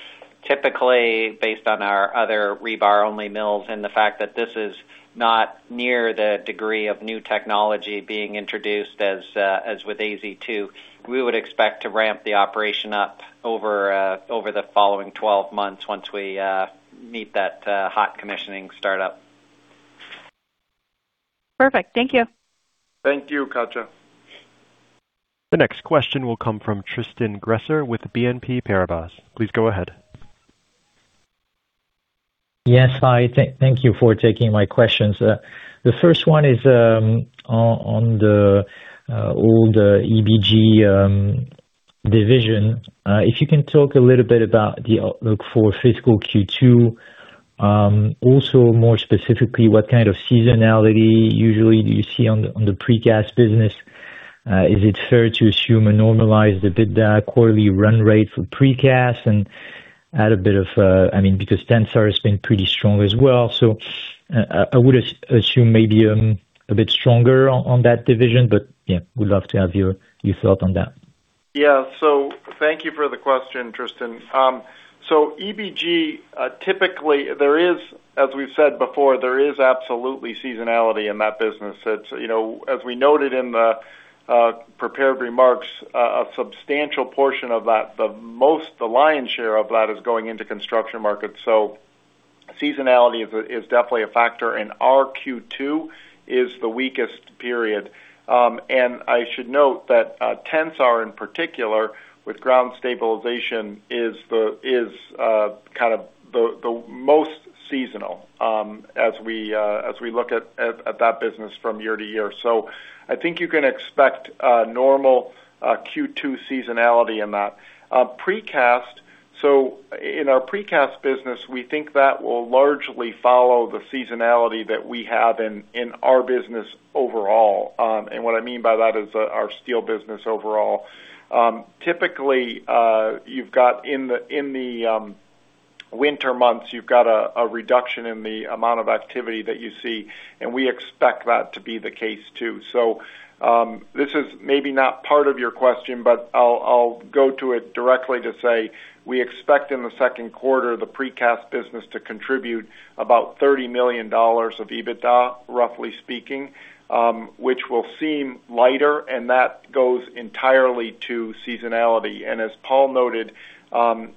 C: typically, based on our other rebar-only mills and the fact that this is not near the degree of new technology being introduced as with AZ2, we would expect to ramp the operation up over the following 12 months once we meet that hot commissioning startup.
E: Perfect. Thank you.
B: Thank you, Katja.
A: The next question will come from Tristan Gresser with BNP Paribas. Please go ahead.
F: Yes. Hi. Thank you for taking my questions. The first one is on the old EBG division. If you can talk a little bit about the outlook for fiscal Q2, also more specifically, what kind of seasonality usually do you see on the precast business? Is it fair to assume a normalized EBITDA quarterly run rate for precast and add a bit of – I mean, because Tensar has been pretty strong as well? So I would assume maybe a bit stronger on that division, but yeah, would love to have your thoughts on that.
B: Yeah. So thank you for the question, Tristan. So EBG, typically, as we've said before, there is absolutely seasonality in that business. As we noted in the prepared remarks, a substantial portion of that, the lion's share of that, is going into construction markets. So seasonality is definitely a factor, and our Q2 is the weakest period. And I should note that Tensar, in particular, with ground stabilization, is kind of the most seasonal as we look at that business from year to year. So I think you can expect normal Q2 seasonality in that. Precast, so in our precast business, we think that will largely follow the seasonality that we have in our business overall. And what I mean by that is our steel business overall. Typically, you've got in the winter months, you've got a reduction in the amount of activity that you see, and we expect that to be the case too. So this is maybe not part of your question, but I'll go to it directly to say we expect in the second quarter the precast business to contribute about $30 million of EBITDA, roughly speaking, which will seem lighter, and that goes entirely to seasonality. And as Paul noted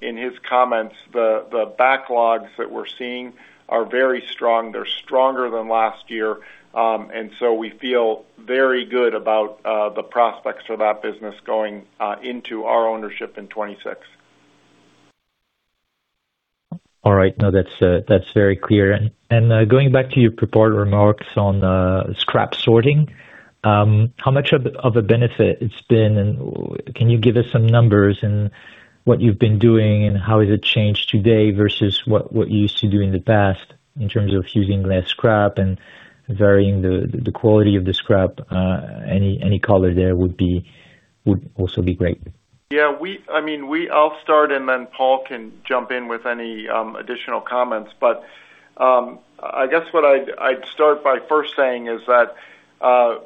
B: in his comments, the backlogs that we're seeing are very strong. They're stronger than last year, and so we feel very good about the prospects for that business going into our ownership in 2026.
F: All right. No, that's very clear. And going back to your report remarks on scrap sorting, how much of a benefit it's been, and can you give us some numbers in what you've been doing and how has it changed today versus what you used to do in the past in terms of using less scrap and varying the quality of the scrap? Any color there would also be great.
B: Yeah. I mean, I'll start, and then Paul can jump in with any additional comments. But I guess what I'd start by first saying is that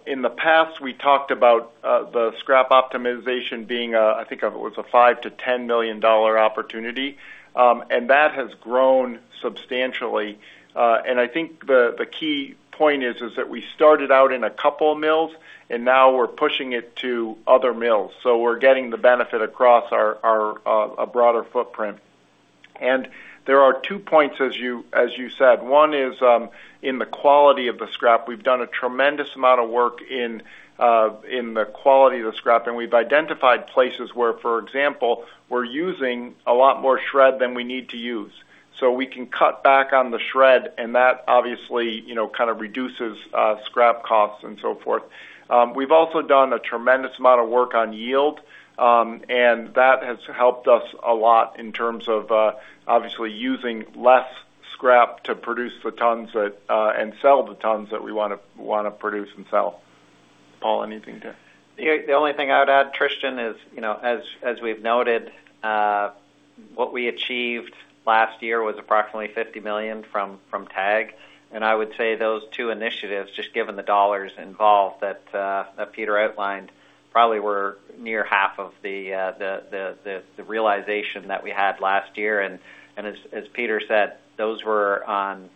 B: in the past, we talked about the scrap optimization being, I think it was a $5 million-$10 million opportunity, and that has grown substantially. And I think the key point is that we started out in a couple of mills, and now we're pushing it to other mills. So we're getting the benefit across a broader footprint. There are two points, as you said. One is in the quality of the scrap. We've done a tremendous amount of work in the quality of the scrap, and we've identified places where, for example, we're using a lot more shred than we need to use. So we can cut back on the shred, and that obviously kind of reduces scrap costs and so forth. We've also done a tremendous amount of work on yield, and that has helped us a lot in terms of obviously using less scrap to produce the tons and sell the tons that we want to produce and sell. Paul, anything to?
C: The only thing I would add, Tristan, is as we've noted, what we achieved last year was approximately $50 million from TAG. And I would say those two initiatives, just given the dollars involved that Peter outlined, probably were near half of the realization that we had last year. And as Peter said, those were on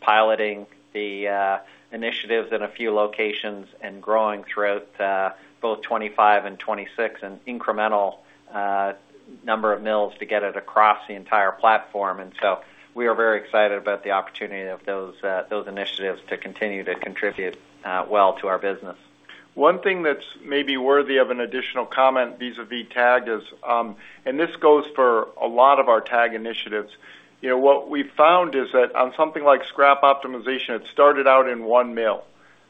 C: piloting the initiatives in a few locations and growing throughout both 2025 and 2026, an incremental number of mills to get it across the entire platform. And so we are very excited about the opportunity of those initiatives to continue to contribute well to our business.
B: One thing that's maybe worthy of an additional comment vis-à-vis TAG is, and this goes for a lot of our TAG initiatives, what we've found is that on something like scrap optimization, it started out in one mill,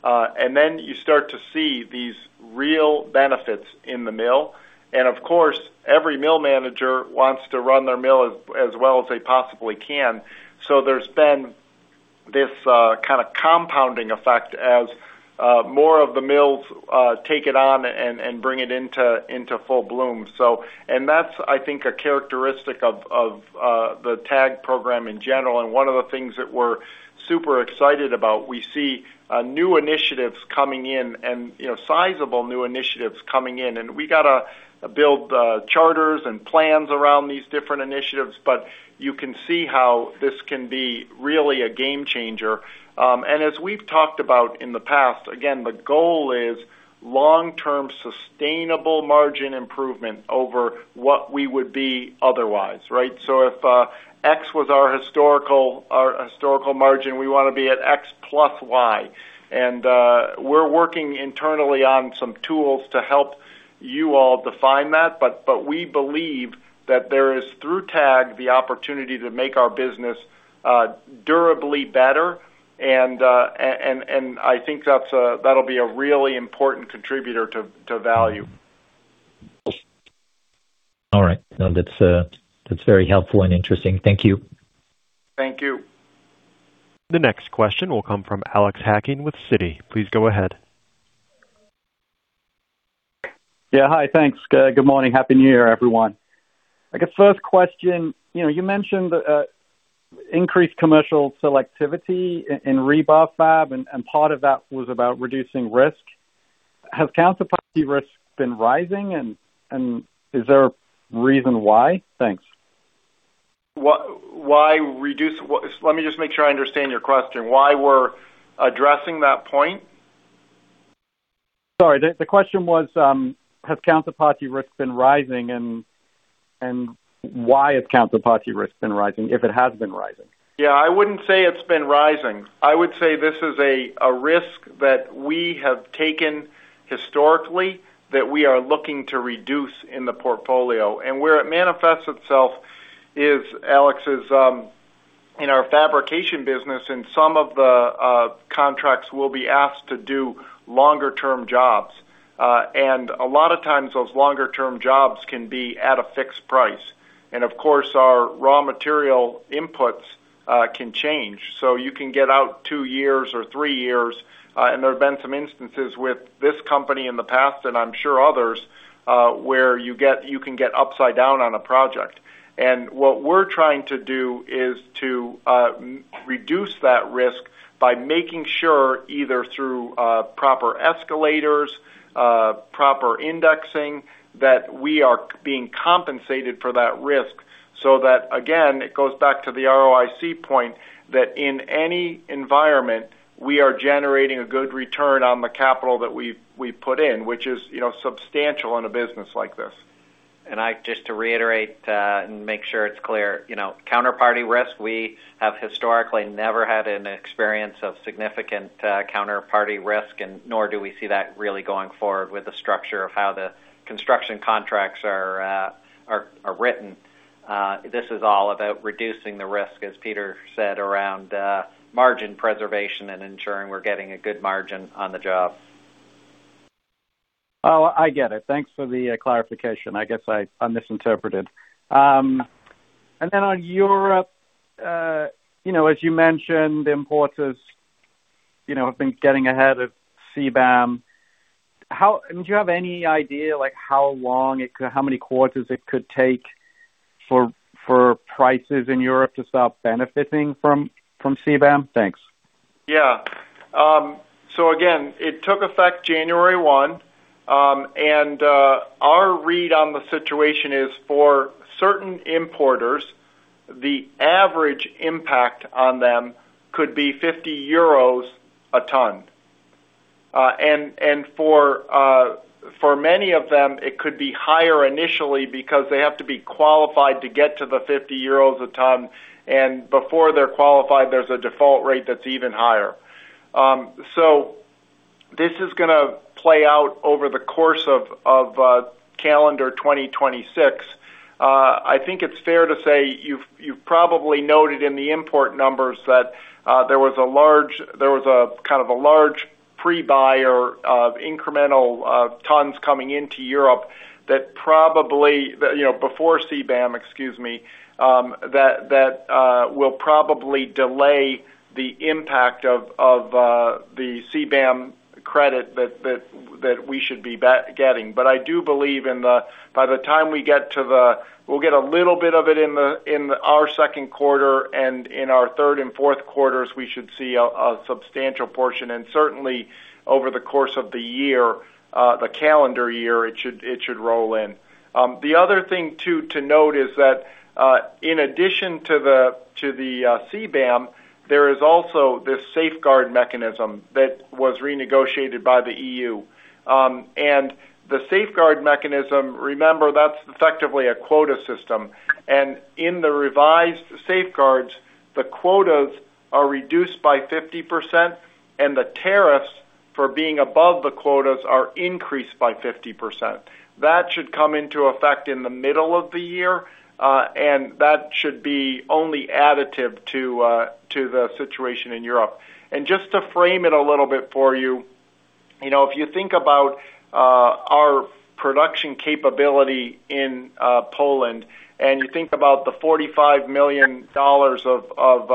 B: and then you start to see these real benefits in the mill. And of course, every mill manager wants to run their mill as well as they possibly can. So there's been this kind of compounding effect as more of the mills take it on and bring it into full bloom. And that's, I think, a characteristic of the TAG program in general. And one of the things that we're super excited about, we see new initiatives coming in and sizable new initiatives coming in. And we got to build charters and plans around these different initiatives, but you can see how this can be really a game changer. And as we've talked about in the past, again, the goal is long-term sustainable margin improvement over what we would be otherwise, right? So if X was our historical margin, we want to be at X + Y. And we're working internally on some tools to help you all define that, but we believe that there is, through TAG, the opportunity to make our business durably better. And I think that'll be a really important contributor to value.
F: All right. That's very helpful and interesting. Thank you.
B: Thank you.
A: The next question will come from Alex Hacking with Citi. Please go ahead. Yeah.
G: Hi. Thanks. Good morning. Happy New Year, everyone. I guess first question, you mentioned increased commercial selectivity in rebar fab, and part of that was about reducing risk. Has counterparty risk been rising, and is there a reason why? Thanks.
B: Let me just make sure I understand your question. Why we're addressing that point?
G: Sorry. The question was, has counterparty risk been rising, and why has counterparty risk been rising if it has been rising?
B: Yeah. I wouldn't say it's been rising. I would say this is a risk that we have taken historically that we are looking to reduce in the portfolio. And where it manifests itself is, Alex, in our fabrication business, in some of the contracts, we'll be asked to do longer-term jobs. And a lot of times, those longer-term jobs can be at a fixed price. And of course, our raw material inputs can change. So you can get out two years or three years, and there have been some instances with this company in the past, and I'm sure others, where you can get upside down on a project. And what we're trying to do is to reduce that risk by making sure either through proper escalators, proper indexing, that we are being compensated for that risk so that, again, it goes back to the ROIC point, that in any environment, we are generating a good return on the capital that we put in, which is substantial in a business like this.
C: And just to reiterate and make sure it's clear, counterparty risk, we have historically never had an experience of significant counterparty risk, and nor do we see that really going forward with the structure of how the construction contracts are written. This is all about reducing the risk, as Peter said, around margin preservation and ensuring we're getting a good margin on the job. Well,
G: I get it. Thanks for the clarification. I guess I misinterpreted. And then on Europe, as you mentioned, importers have been getting ahead of CBAM. Do you have any idea how long, how many quarters it could take for prices in Europe to stop benefiting from CBAM? Thanks.
B: Yeah. So again, it took effect January 1, and our read on the situation is for certain importers, the average impact on them could be 50 euros a ton. And for many of them, it could be higher initially because they have to be qualified to get to the 50 euros a ton, and before they're qualified, there's a default rate that's even higher. So this is going to play out over the course of calendar 2026. I think it's fair to say you've probably noted in the import numbers that there was a kind of a large prebuyer of incremental tons coming into Europe that probably before CBAM, excuse me, that will probably delay the impact of the CBAM credit that we should be getting. But I do believe by the time we get to we'll get a little bit of it in our second quarter, and in our third and fourth quarters, we should see a substantial portion. And certainly, over the course of the year, the calendar year, it should roll in. The other thing to note is that in addition to the CBAM, there is also this safeguard mechanism that was renegotiated by the EU, and the safeguard mechanism, remember, that's effectively a quota system, and in the revised safeguards, the quotas are reduced by 50%, and the tariffs for being above the quotas are increased by 50%. That should come into effect in the middle of the year, and that should be only additive to the situation in Europe, and just to frame it a little bit for you, if you think about our production capability in Poland and you think about the $45 million of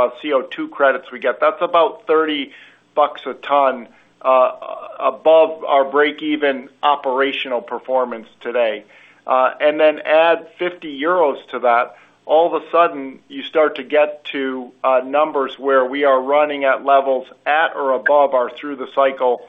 B: CO2 credits we get, that's about $30 a ton above our break-even operational performance today, and then add 50 euros to that, all of a sudden, you start to get to numbers where we are running at levels at or above our through-the-cycle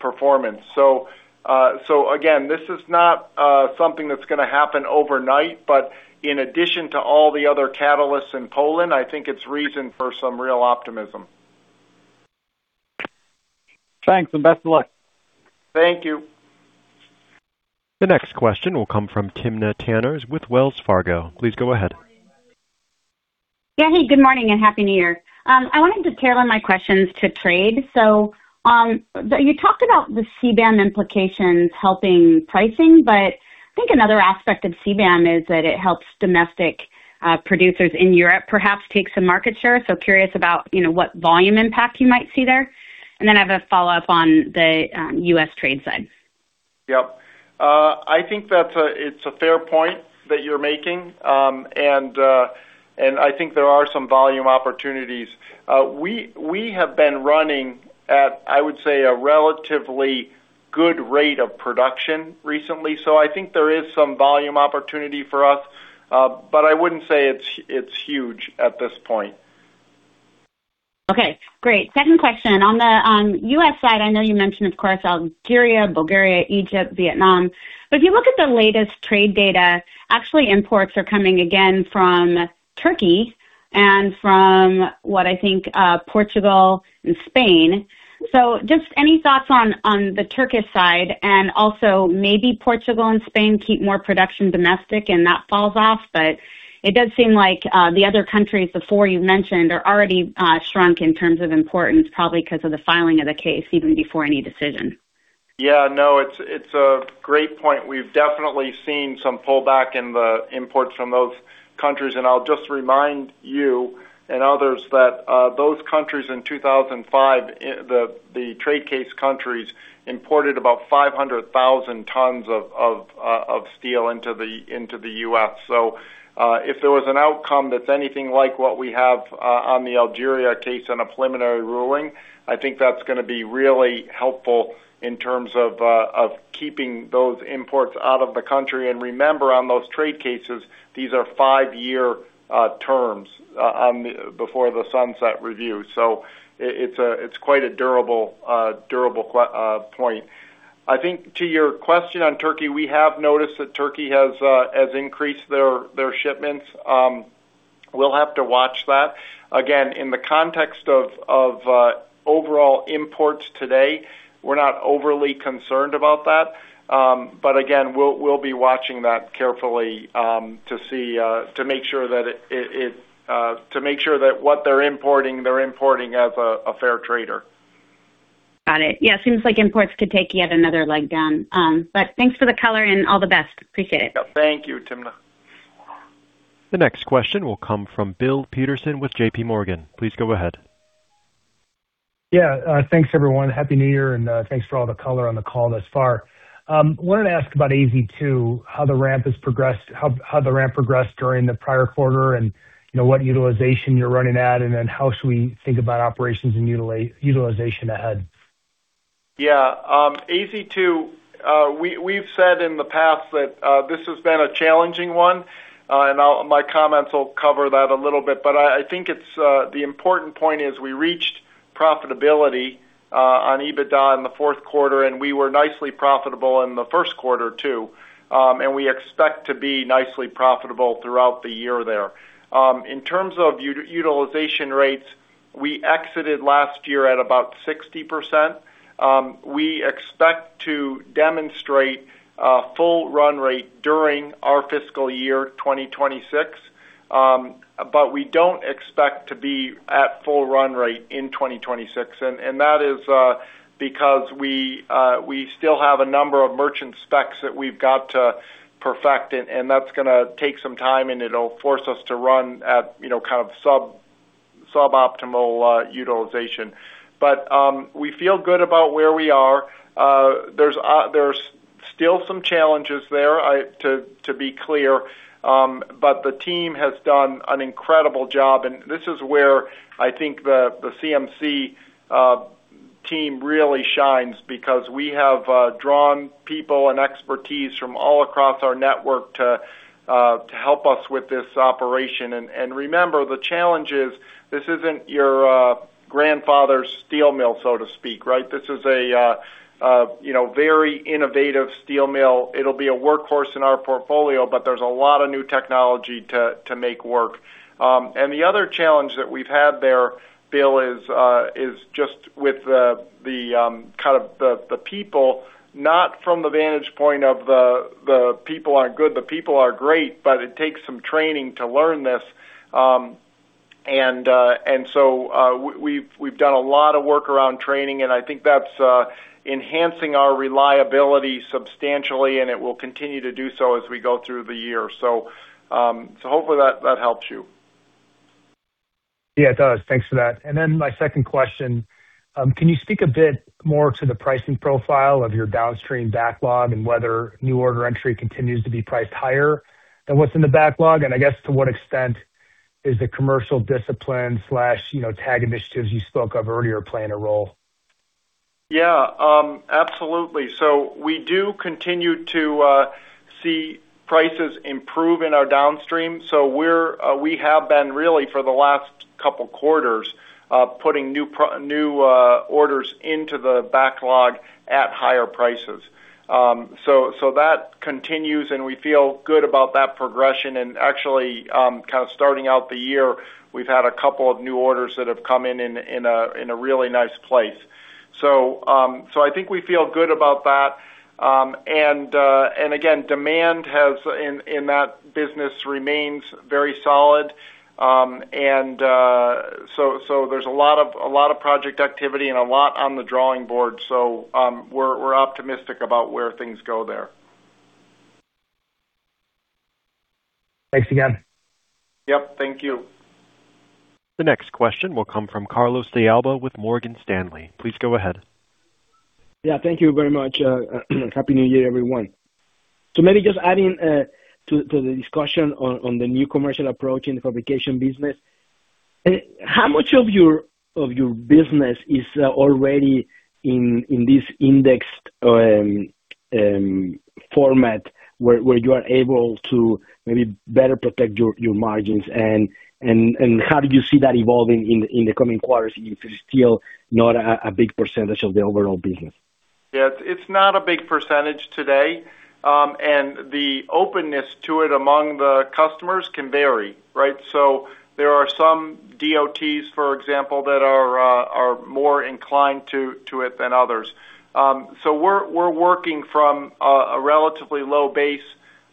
B: performance. So again, this is not something that's going to happen overnight, but in addition to all the other catalysts in Poland, I think it's reason for some real optimism.
G: Thanks, and best of luck.
B: Thank you.
A: The next question will come from Timna Tanners with Wells Fargo. Please go ahead.
H: Yeah. Hey, good morning and happy New Year. I wanted to tailor my questions to trade. So you talked about the CBAM implications helping pricing, but I think another aspect of CBAM is that it helps domestic producers in Europe perhaps take some market share. So curious about what volume impact you might see there. And then I have a follow-up on the U.S. trade side.
B: Yep. I think that it's a fair point that you're making, and I think there are some volume opportunities. We have been running at, I would say, a relatively good rate of production recently, so I think there is some volume opportunity for us, but I wouldn't say it's huge at this point.
H: Okay. Great. Second question. On the U.S. side, I know you mentioned, of course, Algeria, Bulgaria, Egypt, Vietnam. But if you look at the latest trade data, actually, imports are coming again from Turkey and from what I think Portugal and Spain. So just any thoughts on the Turkish side? And also, maybe Portugal and Spain keep more production domestic, and that falls off, but it does seem like the other countries before you mentioned are already shrunk in terms of importance, probably because of the filing of the case even before any decision.
B: Yeah. No, it's a great point. We've definitely seen some pullback in the imports from those countries. I'll just remind you and others that those countries in 2005, the trade case countries, imported about 500,000 tons of steel into the U.S. So if there was an outcome that's anything like what we have on the Algeria case and a preliminary ruling, I think that's going to be really helpful in terms of keeping those imports out of the country. And remember, on those trade cases, these are five-year terms before the sunset review. So it's quite a durable point. I think to your question on Turkey, we have noticed that Turkey has increased their shipments. We'll have to watch that. Again, in the context of overall imports today, we're not overly concerned about that. But again, we'll be watching that carefully to see to make sure that what they're importing, they're importing as a fair trader.
H: Got it. Yeah. It seems like imports could take yet another leg down, but thanks for the color and all the best. Appreciate it.
B: Thank you, Timna.
A: The next question will come from Bill Peterson with JPMorgan. Please go ahead.
I: Yeah. Thanks, everyone. Happy New Year, and thanks for all the color on the call thus far. I wanted to ask AZ2, how the ramp has progressed, how the ramp progressed during the prior quarter, and what utilization you're running at, and then how should we think about operations and utilization ahead.
B: AZ2, we've said in the past that this has been a challenging one, and my comments will cover that a little bit, but I think the important point is we reached profitability on EBITDA in the fourth quarter, and we were nicely profitable in the first quarter too, and we expect to be nicely profitable throughout the year there. In terms of utilization rates, we exited last year at about 60%. We expect to demonstrate a full run rate during our fiscal year 2026, but we don't expect to be at full run rate in 2026. And that is because we still have a number of merchant specs that we've got to perfect, and that's going to take some time, and it'll force us to run at kind of suboptimal utilization. But we feel good about where we are. There's still some challenges there, to be clear, but the team has done an incredible job. And this is where I think the CMC team really shines because we have drawn people and expertise from all across our network to help us with this operation. And remember, the challenge is this isn't your grandfather's steel mill, so to speak, right? This is a very innovative steel mill. It'll be a workhorse in our portfolio, but there's a lot of new technology to make work. And the other challenge that we've had there, Bill, is just with kind of the people, not from the vantage point of the people aren't good, the people are great, but it takes some training to learn this. And so we've done a lot of work around training, and I think that's enhancing our reliability substantially, and it will continue to do so as we go through the year. So hopefully, that helps you.
I: Yeah, it does. Thanks for that. And then my second question, can you speak a bit more to the pricing profile of your downstream backlog and whether new order entry continues to be priced higher than what's in the backlog? And I guess to what extent is the commercial discipline/tag initiatives you spoke of earlier playing a role?
B: Yeah. Absolutely. So we do continue to see prices improve in our downstream. So we have been really, for the last couple of quarters, putting new orders into the backlog at higher prices. So that continues, and we feel good about that progression. And actually, kind of starting out the year, we've had a couple of new orders that have come in in a really nice place. So I think we feel good about that. And again, demand in that business remains very solid. And so there's a lot of project activity and a lot on the drawing board. So we're optimistic about where things go there.
I: Thanks again. Yep.
B: Thank you.
A: The next question will come from Carlos De Alba with Morgan Stanley. Please go ahead.
J: Yeah. Thank you very much. Happy New Year, everyone. So maybe just adding to the discussion on the new commercial approach in the fabrication business, how much of your business is already in this indexed format where you are able to maybe better protect your margins? And how do you see that evolving in the coming quarters if it's still not a big percentage of the overall business?
B: Yeah. It's not a big percentage today. And the openness to it among the customers can vary, right? So there are some DOTs, for example, that are more inclined to it than others. So we're working from a relatively low base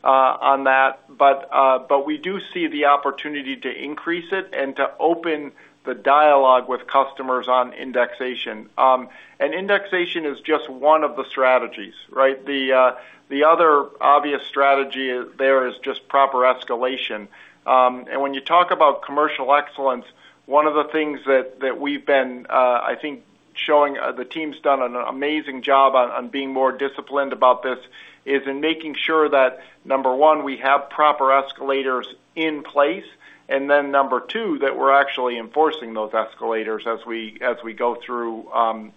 B: on that, but we do see the opportunity to increase it and to open the dialogue with customers on indexation. And indexation is just one of the strategies, right? The other obvious strategy there is just proper escalation. And when you talk about commercial excellence, one of the things that we've been, I think, showing the team's done an amazing job on being more disciplined about this is in making sure that, number one, we have proper escalators in place, and then number two, that we're actually enforcing those escalators as we go through, kind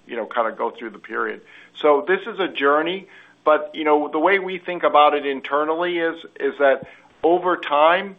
B: of go through the period. So this is a journey, but the way we think about it internally is that over time,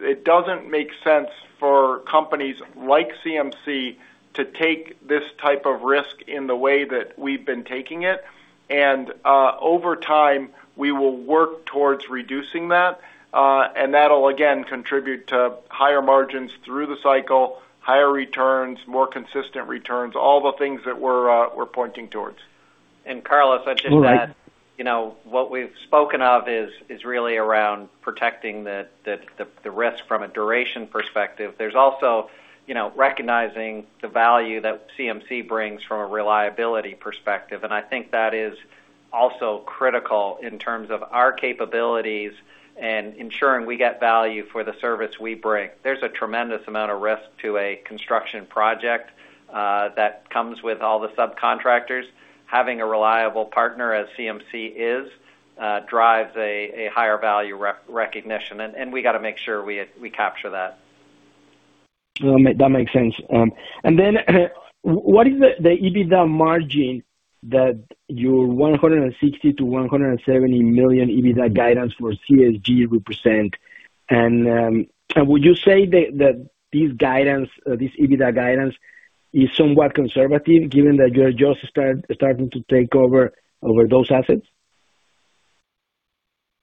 B: it doesn't make sense for companies like CMC to take this type of risk in the way that we've been taking it. And over time, we will work towards reducing that, and that'll, again, contribute to higher margins through the cycle, higher returns, more consistent returns, all the things that we're pointing towards.
C: Carlos, I'd just add what we've spoken of is really around protecting the risk from a duration perspective. There's also recognizing the value that CMC brings from a reliability perspective, and I think that is also critical in terms of our capabilities and ensuring we get value for the service we bring. There's a tremendous amount of risk to a construction project that comes with all the subcontractors. Having a reliable partner, as CMC is, drives a higher value recognition, and we got to make sure we capture that.
J: That makes sense. And then what is the EBITDA margin that your 160 million-170 million EBITDA guidance for CSG represents? And would you say that this guidance, this EBITDA guidance, is somewhat conservative given that you're just starting to take over those assets?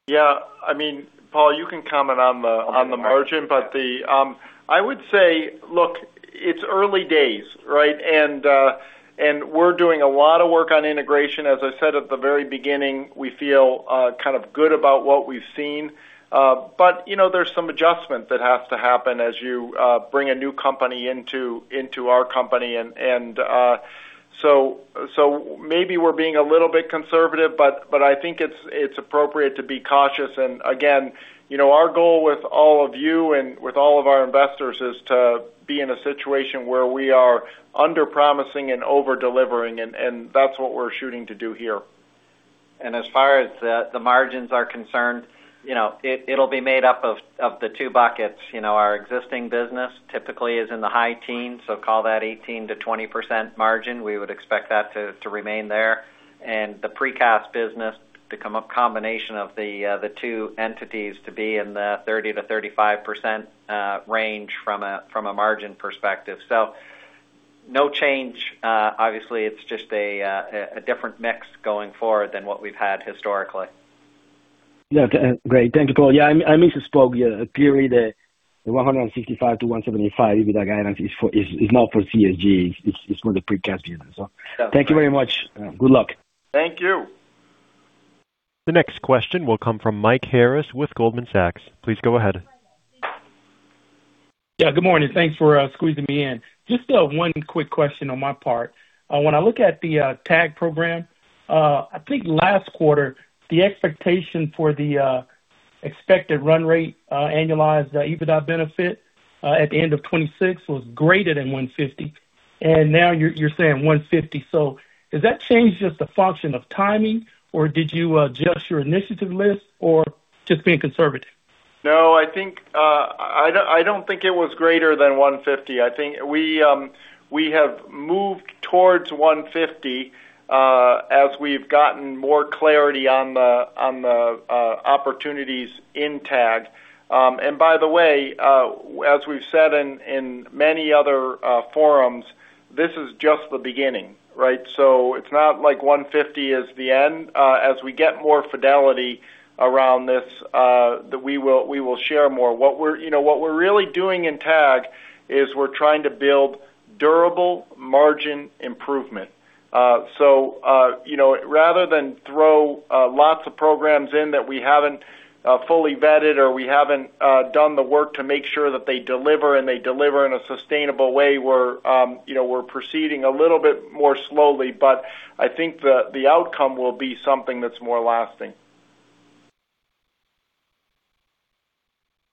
B: Yeah. I mean, Paul, you can comment on the margin, but I would say, look, it's early days, right? And we're doing a lot of work on integration. As I said at the very beginning, we feel kind of good about what we've seen, but there's some adjustment that has to happen as you bring a new company into our company. And so maybe we're being a little bit conservative, but I think it's appropriate to be cautious. And again, our goal with all of you and with all of our investors is to be in a situation where we are under-promising and over-delivering, and that's what we're shooting to do here.
C: And as far as the margins are concerned, it'll be made up of the two buckets. Our existing business typically is in the high teens, so call that 18%-20% margin. We would expect that to remain there. And the precast business, the combination of the two entities to be in the 30%-35% range from a margin perspective. So no change. Obviously, it's just a different mix going forward than what we've had historically.
J: Yeah. Great. Thank you, Paul. Yeah. I misspoke here. Clearly, the 165-175 EBITDA guidance is not for CSG. It's for the precast business. So thank you very much. Good luck.
B: Thank you.
A: The next question will come from Mike Harris with Goldman Sachs. Please go ahead.
K: Yeah. Good morning. Thanks for squeezing me in. Just one quick question on my part. When I look at the TAG program, I think last quarter, the expectation for the expected run rate annualized EBITDA benefit at the end of 2026 was greater than 150. And now you're saying 150. So has that changed just a function of timing, or did you adjust your initiative list, or just being conservative?
B: No, I don't think it was greater than 150. I think we have moved towards 150 as we've gotten more clarity on the opportunities in TAG. And by the way, as we've said in many other forums, this is just the beginning, right? So it's not like 150 is the end. As we get more fidelity around this, we will share more. What we're really doing in TAG is we're trying to build durable margin improvement. So rather than throw lots of programs in that we haven't fully vetted or we haven't done the work to make sure that they deliver and they deliver in a sustainable way, we're proceeding a little bit more slowly. But I think the outcome will be something that's more lasting.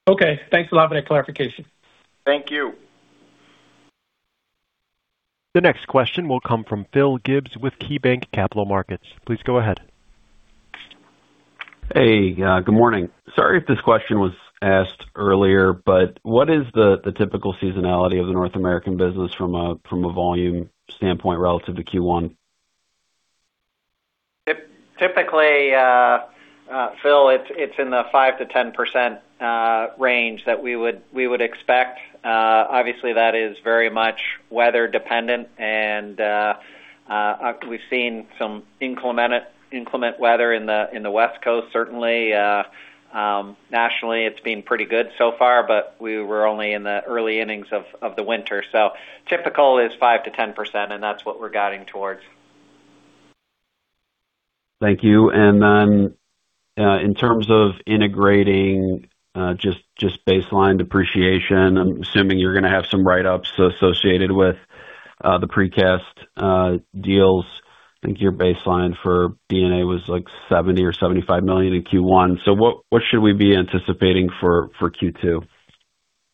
K: Okay. Thanks for having that clarification.
B: Thank you.
A: The next question will come from Phil Gibbs with KeyBanc Capital Markets. Please go ahead.
L: Hey. Good morning. Sorry if this question was asked earlier, but what is the typical seasonality of the North American business from a volume standpoint relative to Q1?
C: Typically, Phil, it's in the 5%-10% range that we would expect. Obviously, that is very much weather-dependent, and we've seen some inclement weather in the West Coast. Certainly, nationally, it's been pretty good so far, but we were only in the early innings of the winter. So typical is 5%-10%, and that's what we're guiding towards.
L: Thank you. And then in terms of integrating just baseline depreciation, I'm assuming you're going to have some write-ups associated with the precast deals. I think your baseline for D&A was like 70 million or 75 million in Q1. So what should we be anticipating for Q2?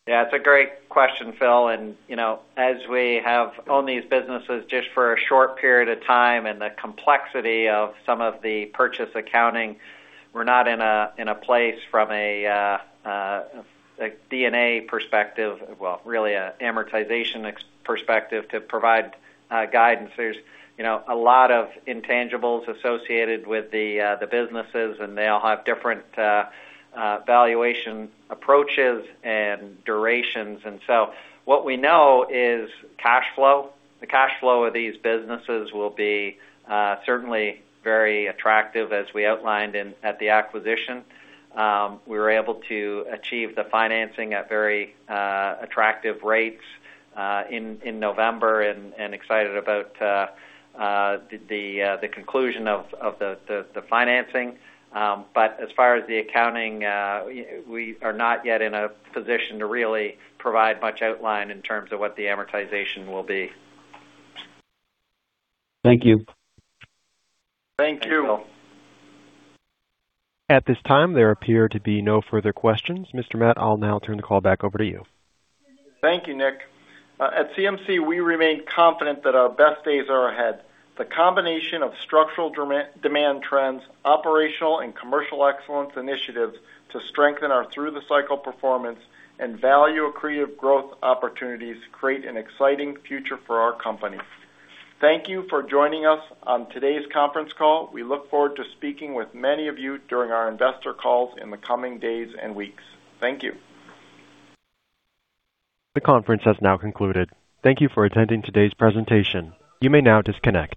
C: Yeah. It's a great question, Phil. And as we have owned these businesses just for a short period of time and the complexity of some of the purchase accounting, we're not in a place from a D&A perspective, well, really an amortization perspective to provide guidance. There's a lot of intangibles associated with the businesses, and they all have different valuation approaches and durations. And so what we know is cash flow. The cash flow of these businesses will be certainly very attractive as we outlined at the acquisition. We were able to achieve the financing at very attractive rates in November and excited about the conclusion of the financing. But as far as the accounting, we are not yet in a position to really provide much outline in terms of what the amortization will be.
L: Thank you.
B: Thank you.
A: At this time, there appear to be no further questions. Mr. Matt, I'll now turn the call back over to you.
B: Thank you, Nick. At CMC, we remain confident that our best days are ahead. The combination of structural demand trends, operational and commercial excellence initiatives to strengthen our through-the-cycle performance and value accretive growth opportunities create an exciting future for our company. Thank you for joining us on today's conference call. We look forward to speaking with many of you during our investor calls in the coming days and weeks. Thank you.
A: The conference has now concluded. Thank you for attending today's presentation. You may now disconnect.